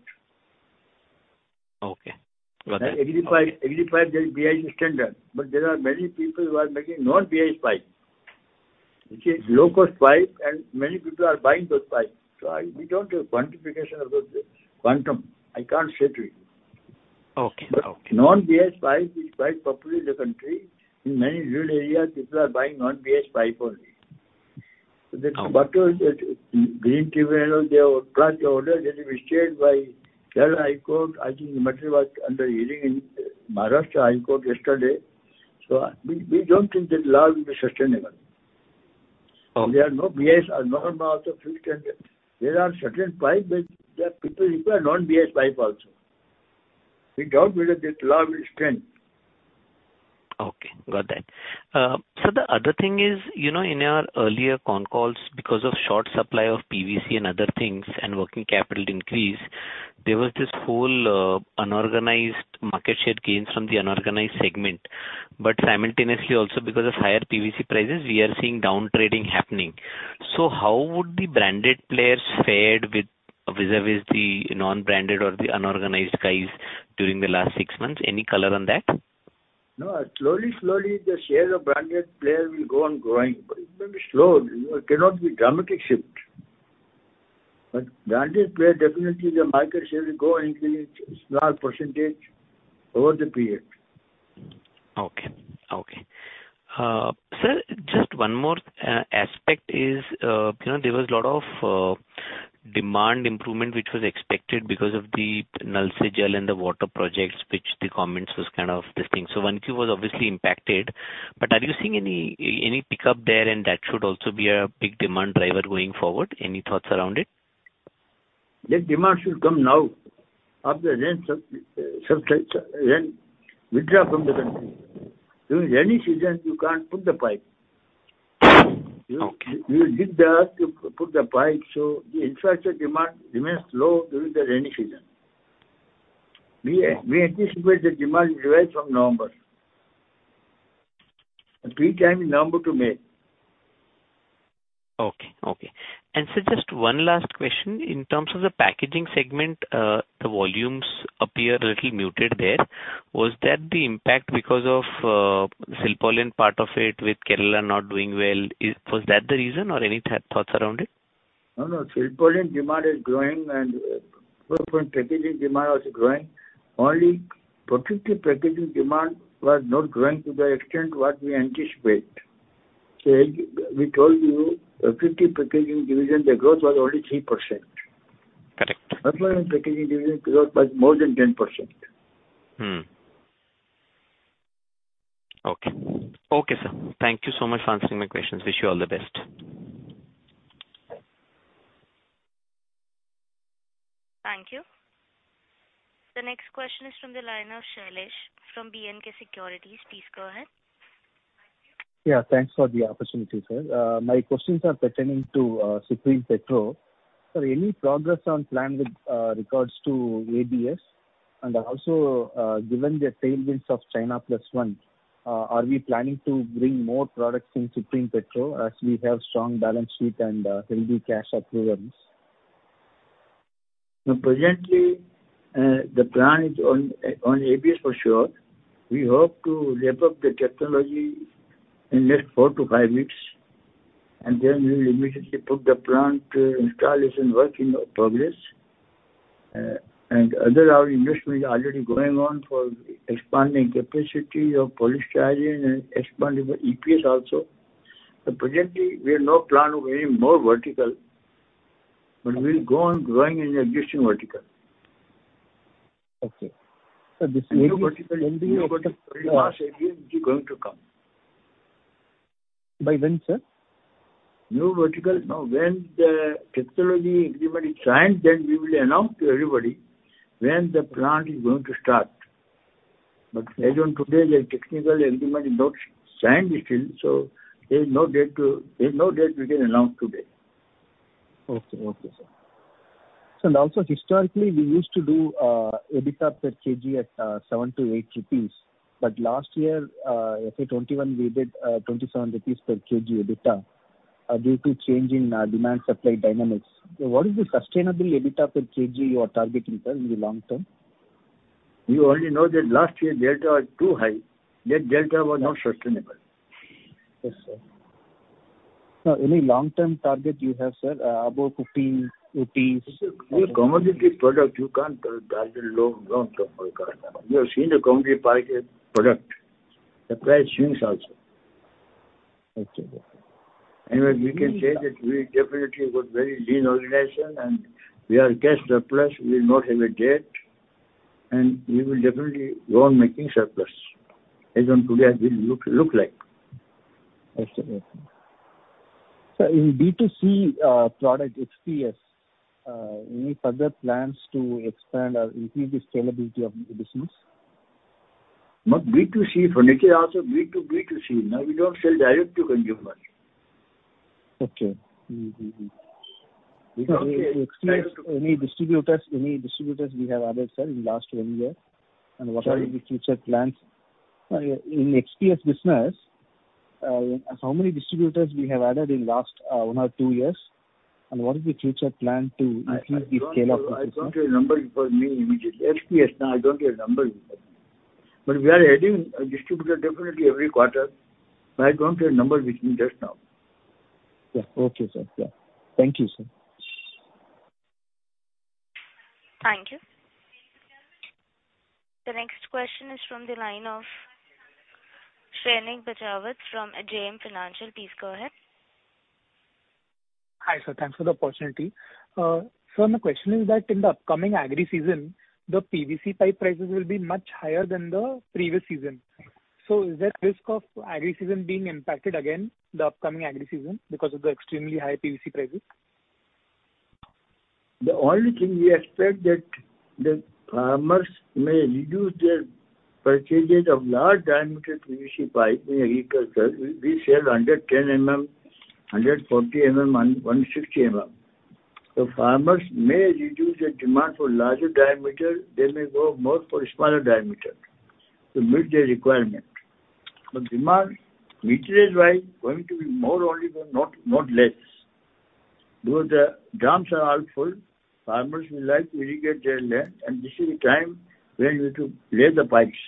Okay. Got that. Agri pipe, there is BIS standard. There are many people who are making non-BIS pipe, which is low cost pipe, and many people are buying those pipes. We don't have quantification of those, quantum. I can't say to you. Okay. Non-BIS pipe is quite popular in the country. In many rural areas, people are buying non-BIS pipe only. Green Tribunal, they have passed the order, it has been stayed by Kerala High Court. I think the matter was under hearing in Bombay High Court yesterday. We don't think that law will be sustainable. Okay. There are no BIS or no filter. There are certain pipes that people require non-BIS pipe also. We doubt whether that law will stand. Okay, got that. Sir, the other thing is, in our earlier con calls, because of short supply of PVC and other things, and working capital increase, there was this whole unorganized market share gains from the unorganized segment. Simultaneously also because of higher PVC prices, we are seeing downtrading happening. How would the branded players fared with vis-a-vis the non-branded or the unorganized guys during the last six months? Any color on that? No. Slowly, the share of branded players will go on growing, but it may be slow. It cannot be dramatic shift. Branded player, definitely the market share will go and increase small % over the period. Okay. Sir, just one more aspect is, there was lot of demand improvement which was expected because of the Nal Se Jal and the water projects, which the government was kind of this thing. 1Q was obviously impacted, but are you seeing any pickup there and that should also be a big demand driver going forward? Any thoughts around it? The demand should come now. After the rain withdraw from the country. During rainy season, you can't put the plastic pipe. Okay. You dig the earth to put the pipe, so the infrastructure demand remains low during the rainy season. We anticipate the demand rise from November. Peak time is November to May. Okay. Sir, just one last question. In terms of the Packaging Products, the volumes appear a little muted there. Was that the impact because of Silpaulin part of it with Kerala not doing well, was that the reason or any thoughts around it? No. Silpaulin demand is growing and food packaging demand was growing. Only protective packaging demand was not growing to the extent what we anticipate. We told you, protective packaging division, the growth was only 3%. Correct. Silpaulin packaging division growth was more than 10%. Okay, sir. Thank you so much for answering my questions. Wish you all the best. Thank you. The next question is from the line of Shailesh from B&K Securities. Please go ahead. Yeah, thanks for the opportunity, sir. My questions are pertaining to Supreme Petro. Sir, any progress on plan with regards to ABS? Also, given the tailwinds of China Plus One, are we planning to bring more products in Supreme Petro, as we have strong balance sheet and healthy cash accruals? Presently, the plan is on ABS for sure. We hope to ramp up the technology in the next four to five weeks, and then we'll immediately put the plant installation work in progress. Other investment is already going on for expanding capacity of polystyrene and expanding the EPS also. Presently, we have no plan of any more vertical, but we'll go on growing in the existing vertical. Okay. Sir, this may be [CROSSTALK] A new vertical is going to come. By when, sir? New vertical, no, the technology agreement is signed, we will announce to everybody when the plant is going to start. As on today, the technical agreement is not signed still, there's no date we can announce today. Okay, sir. Sir, also historically, we used to do EBITDA per kg at 7-8 rupees, last year, FY 2021, we did 27 rupees per kg EBITDA due to change in demand-supply dynamics. What is the sustainable EBITDA per kg you are targeting, sir, in the long term? You already know that last year EBITDA was too high. That EBITDA was not sustainable. Yes, sir. Sir, any long-term target you have, sir, above 15, 18? This is a commodity product. You can't target long term like that. You have seen the commodity price product. The price swings also. Okay, got it. We can say that we definitely got very lean organization. We are cash surplus. We not have a debt. We will definitely go on making surplus, as on today it will look like. Okay. Sir, in B2C product, XPS, any further plans to expand or increase the scalability of the business? B2C, from Nikki also B2C. No, we don't sell direct to consumer. Okay. Mm-hmm. Any distributors we have added, sir, in the last one year? What are the future plans? In XPS business, how many distributors we have added in the last one or two years, and what is the future plan to increase the scale of this business? I don't have a number for me immediately. XPS, no, I don't have a number. We are adding a distributor definitely every quarter, but I don't have number with me just now. Yeah. Okay, sir. Thank you, sir. Thank you. The next question is from the line of Shrenik Bachhawat from JM Financial. Please go ahead. Hi, sir. Thanks for the opportunity. Sir, my question is that in the upcoming agri season, the PVC pipe prices will be much higher than the previous season. Is there risk of agri season being impacted again the upcoming agri season because of the extremely high PVC prices? The only thing we expect that the farmers may reduce their purchases of large diameter PVC pipe in agriculture. We sell 110 mm, 140 mm, 160 mm. Farmers may reduce the demand for larger diameter. They may go more for smaller diameter to meet their requirement. Demand, meterage wide, going to be more only, but not less. Because the dams are all full. Farmers will like to irrigate their land, and this is the time when you have to lay the pipes.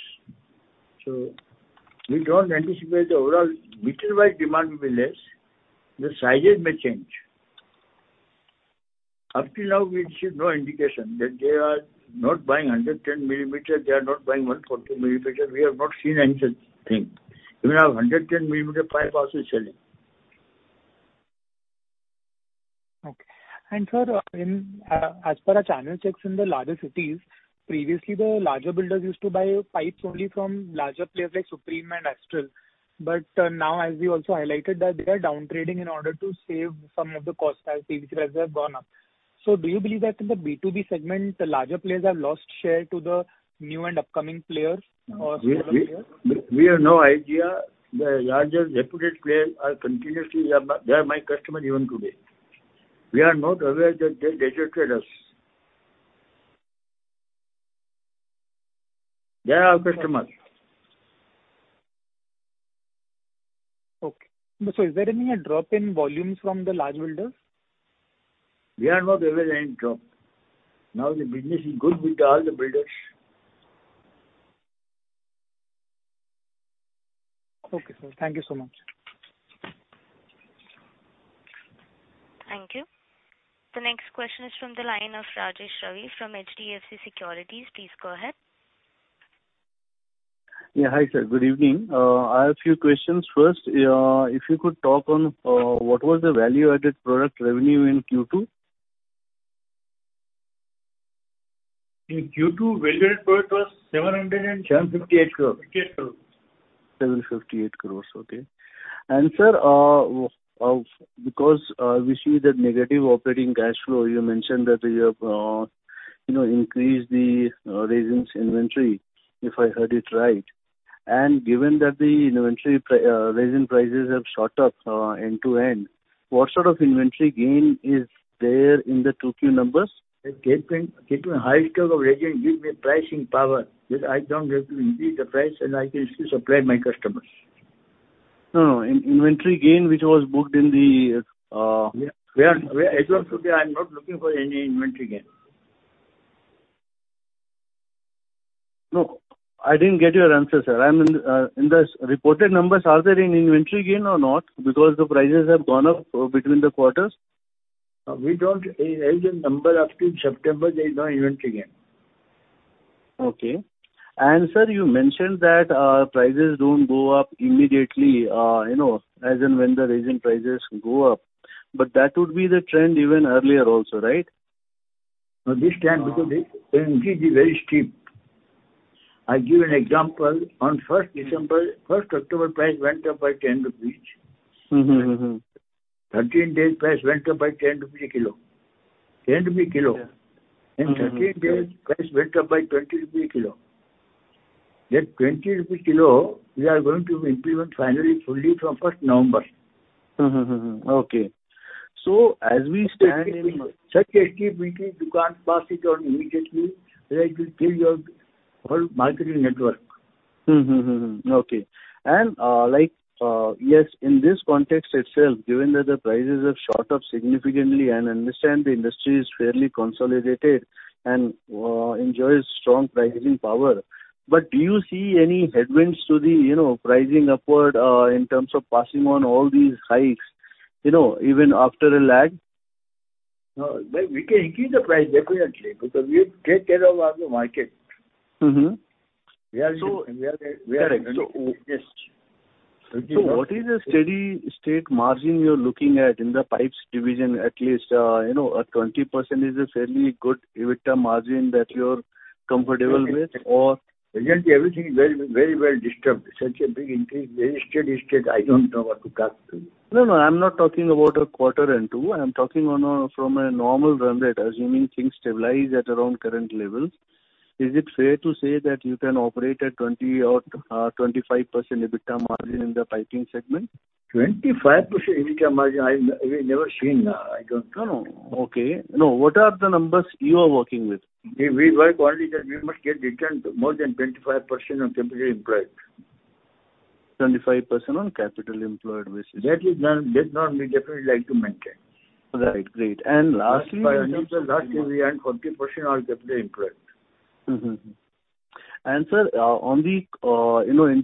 We don't anticipate the overall meter wide demand will be less. The sizes may change. Up till now, we've received no indication that they are not buying 110 mm, they are not buying 140 mm. We have not seen any such thing. Even our 110 mm pipe also is selling. Okay. Sir, as per our channel checks in the larger cities, previously, the larger builders used to buy pipes only from larger players like Supreme and Astral. Now, as we also highlighted that they are downtrading in order to save some of the cost as PVC prices have gone up. Do you believe that in the B2B segment, the larger players have lost share to the new and upcoming players or smaller players? We have no idea. The largest reputed players are continuously They are my customers even today. We are not aware that they deserted us. They are our customers. Okay. Is there any drop in volumes from the large builders? We are not aware any drop. Now the business is good with all the builders. Okay, sir. Thank you so much. Thank you. The next question is from the line of Rajesh Ravi from HDFC Securities. Please go ahead. Yeah, hi, sir. Good evening. I have few questions. First, if you could talk on, what was the value-added product revenue in Q2? In Q2, value-added product was 758 crores. 758 crores. Okay. Sir, because we see that negative operating cash flow, you mentioned that your increase the resins inventory, if I heard it right. Given that the resin prices have shot up end to end, what sort of inventory gain is there in the 2Q numbers? Keeping high stock of resin gives me pricing power, because I don't have to increase the price, and I can still supply my customers. No. Inventory gain, which was booked in the. As on today, I'm not looking for any inventory gain. No, I didn't get your answer, sir. In the reported numbers, are there any inventory gain or not? The prices have gone up between the quarters. As of number up till September, there is no inventory gain. Okay. sir, you mentioned that prices don't go up immediately, as and when the resin prices go up. That would be the trend even earlier also, right? No, this time, because the increase is very steep. I give an example. On 1st October, price went up by 10 rupees. 13 days, price went up by 10 rupees a kilo. 10 rupees a kilo. In 13 days, price went up by 20 rupees a kilo. That 20 rupees a kilo, we are going to implement finally, fully from 1st November. Mm-hmm. Okay. [CROSSTALK] As we said, such a steep increase, you can't pass it on immediately, or else you kill your whole marketing network. Okay. Yes, in this context itself, given that the prices have shot up significantly, and I understand the industry is fairly consolidated and enjoys strong pricing power, but do you see any headwinds to the pricing upward, in terms of passing on all these hikes, even after a lag? No. We can increase the price, definitely, because we take care of our market. Yes. What is the steady-state margin you're looking at in the pipes division, at least? 20% is a fairly good EBITDA margin that you're comfortable with? Recently, everything is very well disturbed. Such a big increase, very steady state, I don't know what to talk to you. No, I'm not talking about a quarter or two. I'm talking from a normal run rate, assuming things stabilize at around current levels. Is it fair to say that you can operate at 20% or 25% EBITDA margin in the piping segment? 25% EBITDA margin, we never seen. I don't know. Okay. No. What are the numbers you are working with? We work only that we must get return more than 25% on capital employed. 25% on capital employed versus [CROSSTALK] That now we definitely like to maintain. Right. Great. Lastly [CROSSTALK] Last financial year, we earned 40% on capital employed. Sir, in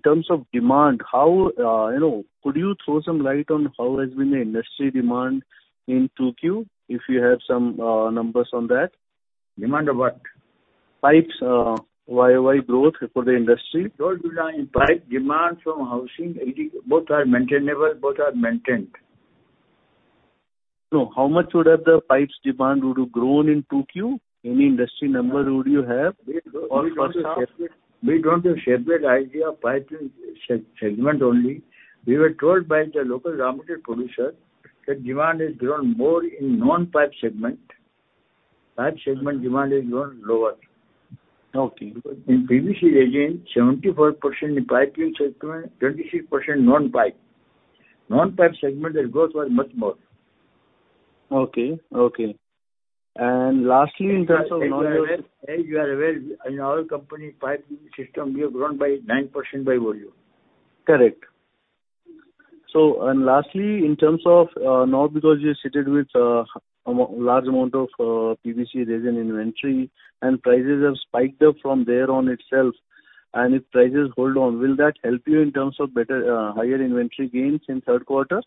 terms of demand, could you throw some light on how has been the industry demand in 2Q, if you have some numbers on that? Demand of what? Pipes YOY growth for the industry. Both design pipe demand from housing, both are maintainable, both are maintained. No. How much would have the pipes demand would have grown in 2Q? Any industry number would you have? First half? We don't have separate idea of pipe segment only. We were told by the local [barometer] producer that demand has grown more in non-pipe segment. Pipe segment demand has grown lower. Okay. In PVC resin, 74% in piping segment, 26% non-pipe. Non-pipe segment, the growth was much more. Okay. lastly, in terms of non [CROSSTALK] As you are aware, in our company pipe system, we have grown by 9% by volume. Correct. Lastly, in terms of, now because you're seated with a large amount of PVC resin inventory and prices have spiked up from there on itself, and if prices hold on, will that help you in terms of higher inventory gains in Q3?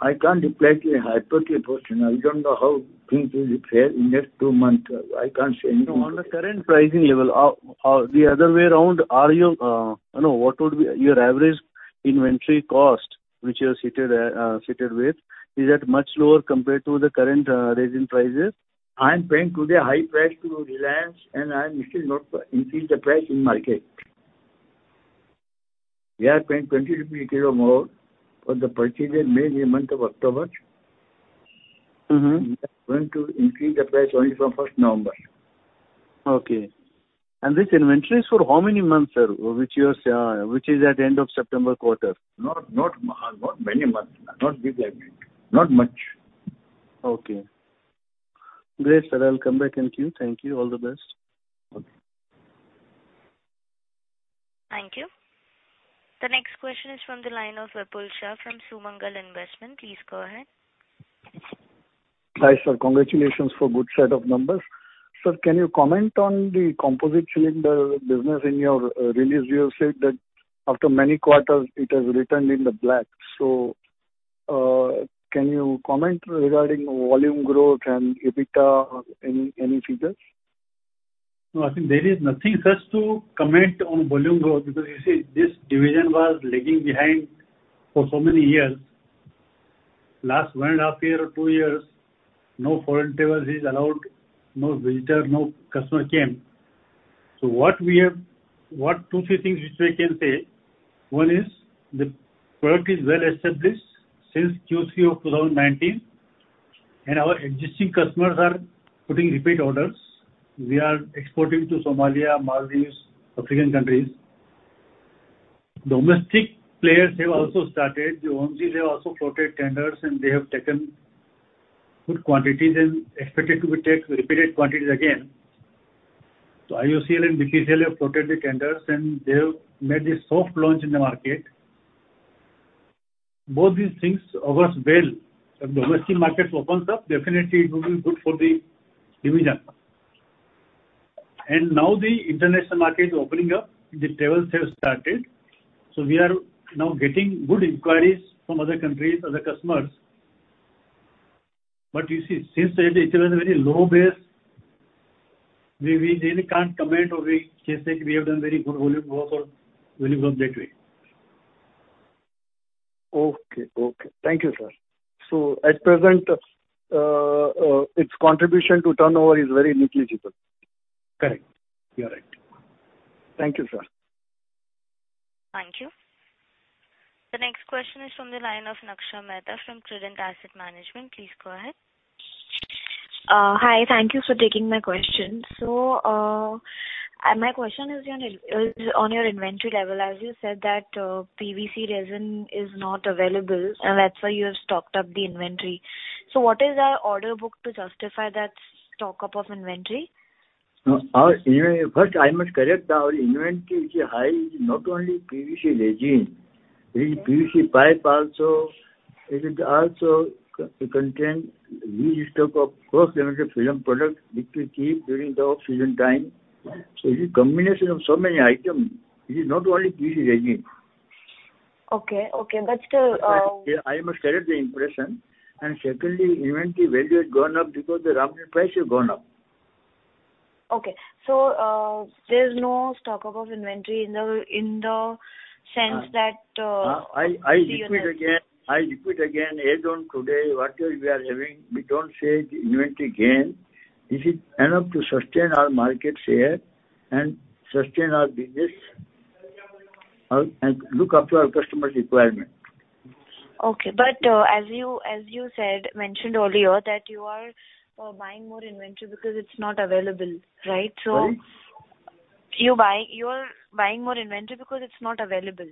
I can't reply to a hypothetical question. I don't know how things will fare in next two months. I can't say anything. No, on the current pricing level, or the other way around, what would be your average inventory cost which you are seated with? Is that much lower compared to the current resin prices? I'm paying today high price to Reliance. I'm still not increase the price in market. We are paying 20 a kilo more for the purchase made in month of October. We are going to increase the price only from 1st November. Okay. This inventory is for how many months, sir, which is at end of September quarter? Not many months. Not big like that. Not much. Okay. Great, sir. I'll come back in queue. Thank you. All the best. Okay. Thank you. The next question is from the line of Vipul Shah from Sumangal Investment. Please go ahead. Hi, sir. Congratulations for good set of numbers. Sir, can you comment on the composite cylinder business? In your release, you have said that after many quarters, it has returned in the black. Can you comment regarding volume growth and EBITDA? Any figures? No, I think there is nothing much to comment on volume growth because, you see, this division was lagging behind for so many years. Last 1.5 years or two years, no foreign travelers is allowed. No visitor, no customer came. Two, three things which we can say. One is the product is well established since Q3 of 2019, and our existing customers are putting repeat orders. We are exporting to Somalia, Maldives, African countries. Domestic players have also started. ONGC have also floated tenders, and they have taken good quantities and expected to take repeated quantities again. IOCL and BPCL have floated the tenders, and they have made a soft launch in the market. Both these things augurs well. When the domestic market opens up, definitely it will be good for the division. Now the international market is opening up, the travel has started. We are now getting good inquiries from other countries, other customers. You see, since it was a very low base, we really can't comment or we can't say we have done very good volume growth or volume from that way. Okay. Thank you, sir. At present, its contribution to turnover is very negligible. Correct. Thank you, sir. Thank you. The next question is from the line of Nakul Mehta from Trident Asset Management. Please go ahead. Hi. Thank you for taking my question. My question is on your inventory level. As you said that PVC resin is not available, and that's why you have stocked up the inventory. What is our order book to justify that stock-up of inventory? I must correct, our inventory which is high is not only PVC resin. It is PVC pipe also. It also contains huge stock of cross laminated film product, which we keep during the off-season time. It's a combination of so many items. It is not only PVC resin. Okay. Still. I must correct the impression. Secondly, inventory value has gone up because the raw material price has gone up. Okay. there's no stock-up of inventory in the sense that. I repeat again, as on today, whatever we are having, we don't say it's inventory gain. This is enough to sustain our market share and sustain our business, and look after our customer requirement. Okay. As you mentioned earlier that you are buying more inventory because it's not available. Right? Sorry. You are buying more inventory because it's not available.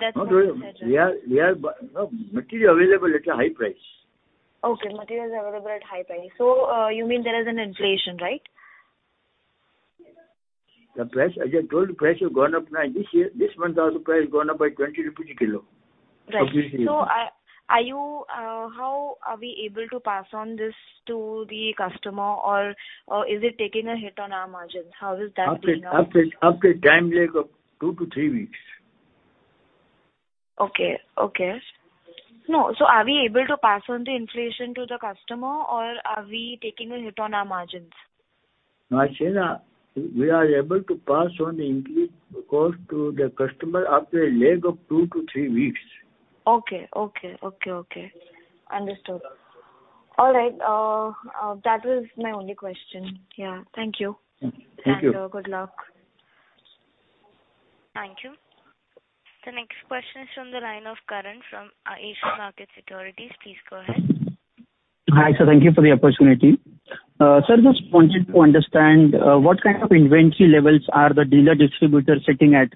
That's what you said, right? No, material available at a high price. Okay. Material is available at high price. You mean there is an inflation, right? The price, as I told you, price has gone up. This month also, price has gone up by 20 rupees a kilo. Right. How are we able to pass on this to the customer? Is it taking a hit on our margins? How is that playing out? After time lag of two to three weeks. Okay. No. Are we able to pass on the inflation to the customer, or are we taking a hit on our margins? No, I said we are able to pass on the increased cost to the customer after a lag of two to three weeks. Okay. Understood. All right. That was my only question. Thank you. Thank you. Good luck. Thank you. The next question is from the line of Karan from Asian Markets Securities. Please go ahead. Hi, sir. Thank you for the opportunity. Sir, just wanted to understand what kind of inventory levels are the dealer distributors sitting at,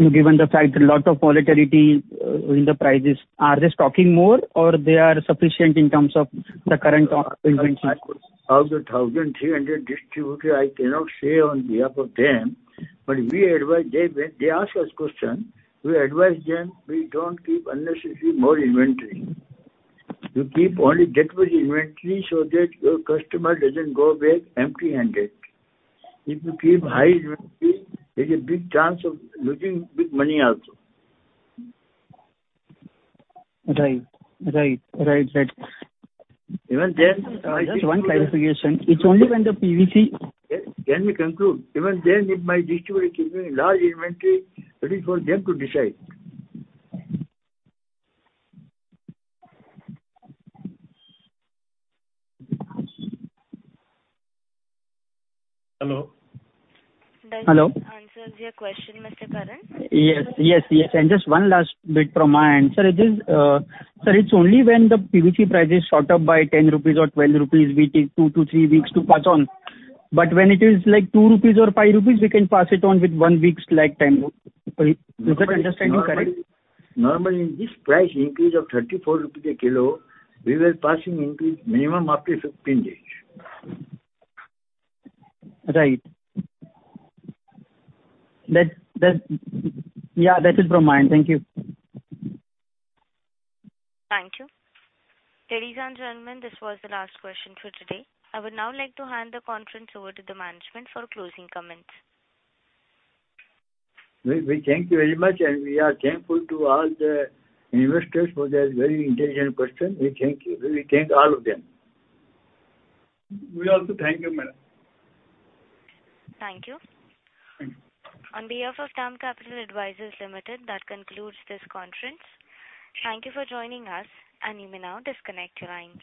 given the fact a lot of volatility in the prices? Are they stocking more or they are sufficient in terms of the current inventory? Out of 1,300 distributors, I cannot say on behalf of them. They ask us questions, we advise them, we don't keep unnecessarily more inventory. You keep only that much inventory so that your customer doesn't go away empty-handed. If you keep high inventory, there's a big chance of losing big money also. Right. Even then. Just one clarification. It's only when the PVC [CROSSTALK] Let me conclude. Even then, if my distributor is keeping large inventory, that is for them to decide. Does this answer your question, Mr. Karan? Yes. Just 1 last bit from my end. Sir, it's only when the PVC price is shot up by 10 rupees or 12 rupees, we take two to three weeks to pass on. When it is like 2 rupees or 5 rupees, we can pass it on with one week's lag time. Is that understanding correct? Normally, this price increase of 34 rupees a kilo, we were passing increase minimum after 15 days. Right. That's it from my end. Thank you. Thank you. Ladies and gentlemen, this was the last question for today. I would now like to hand the conference over to the management for closing comments. We thank you very much, and we are thankful to all the investors for their very intelligent questions. We thank all of them. We also thank you, madam. Thank you. On behalf of DAM Capital Advisors Limited, that concludes this conference. Thank you for joining us, and you may now disconnect your lines.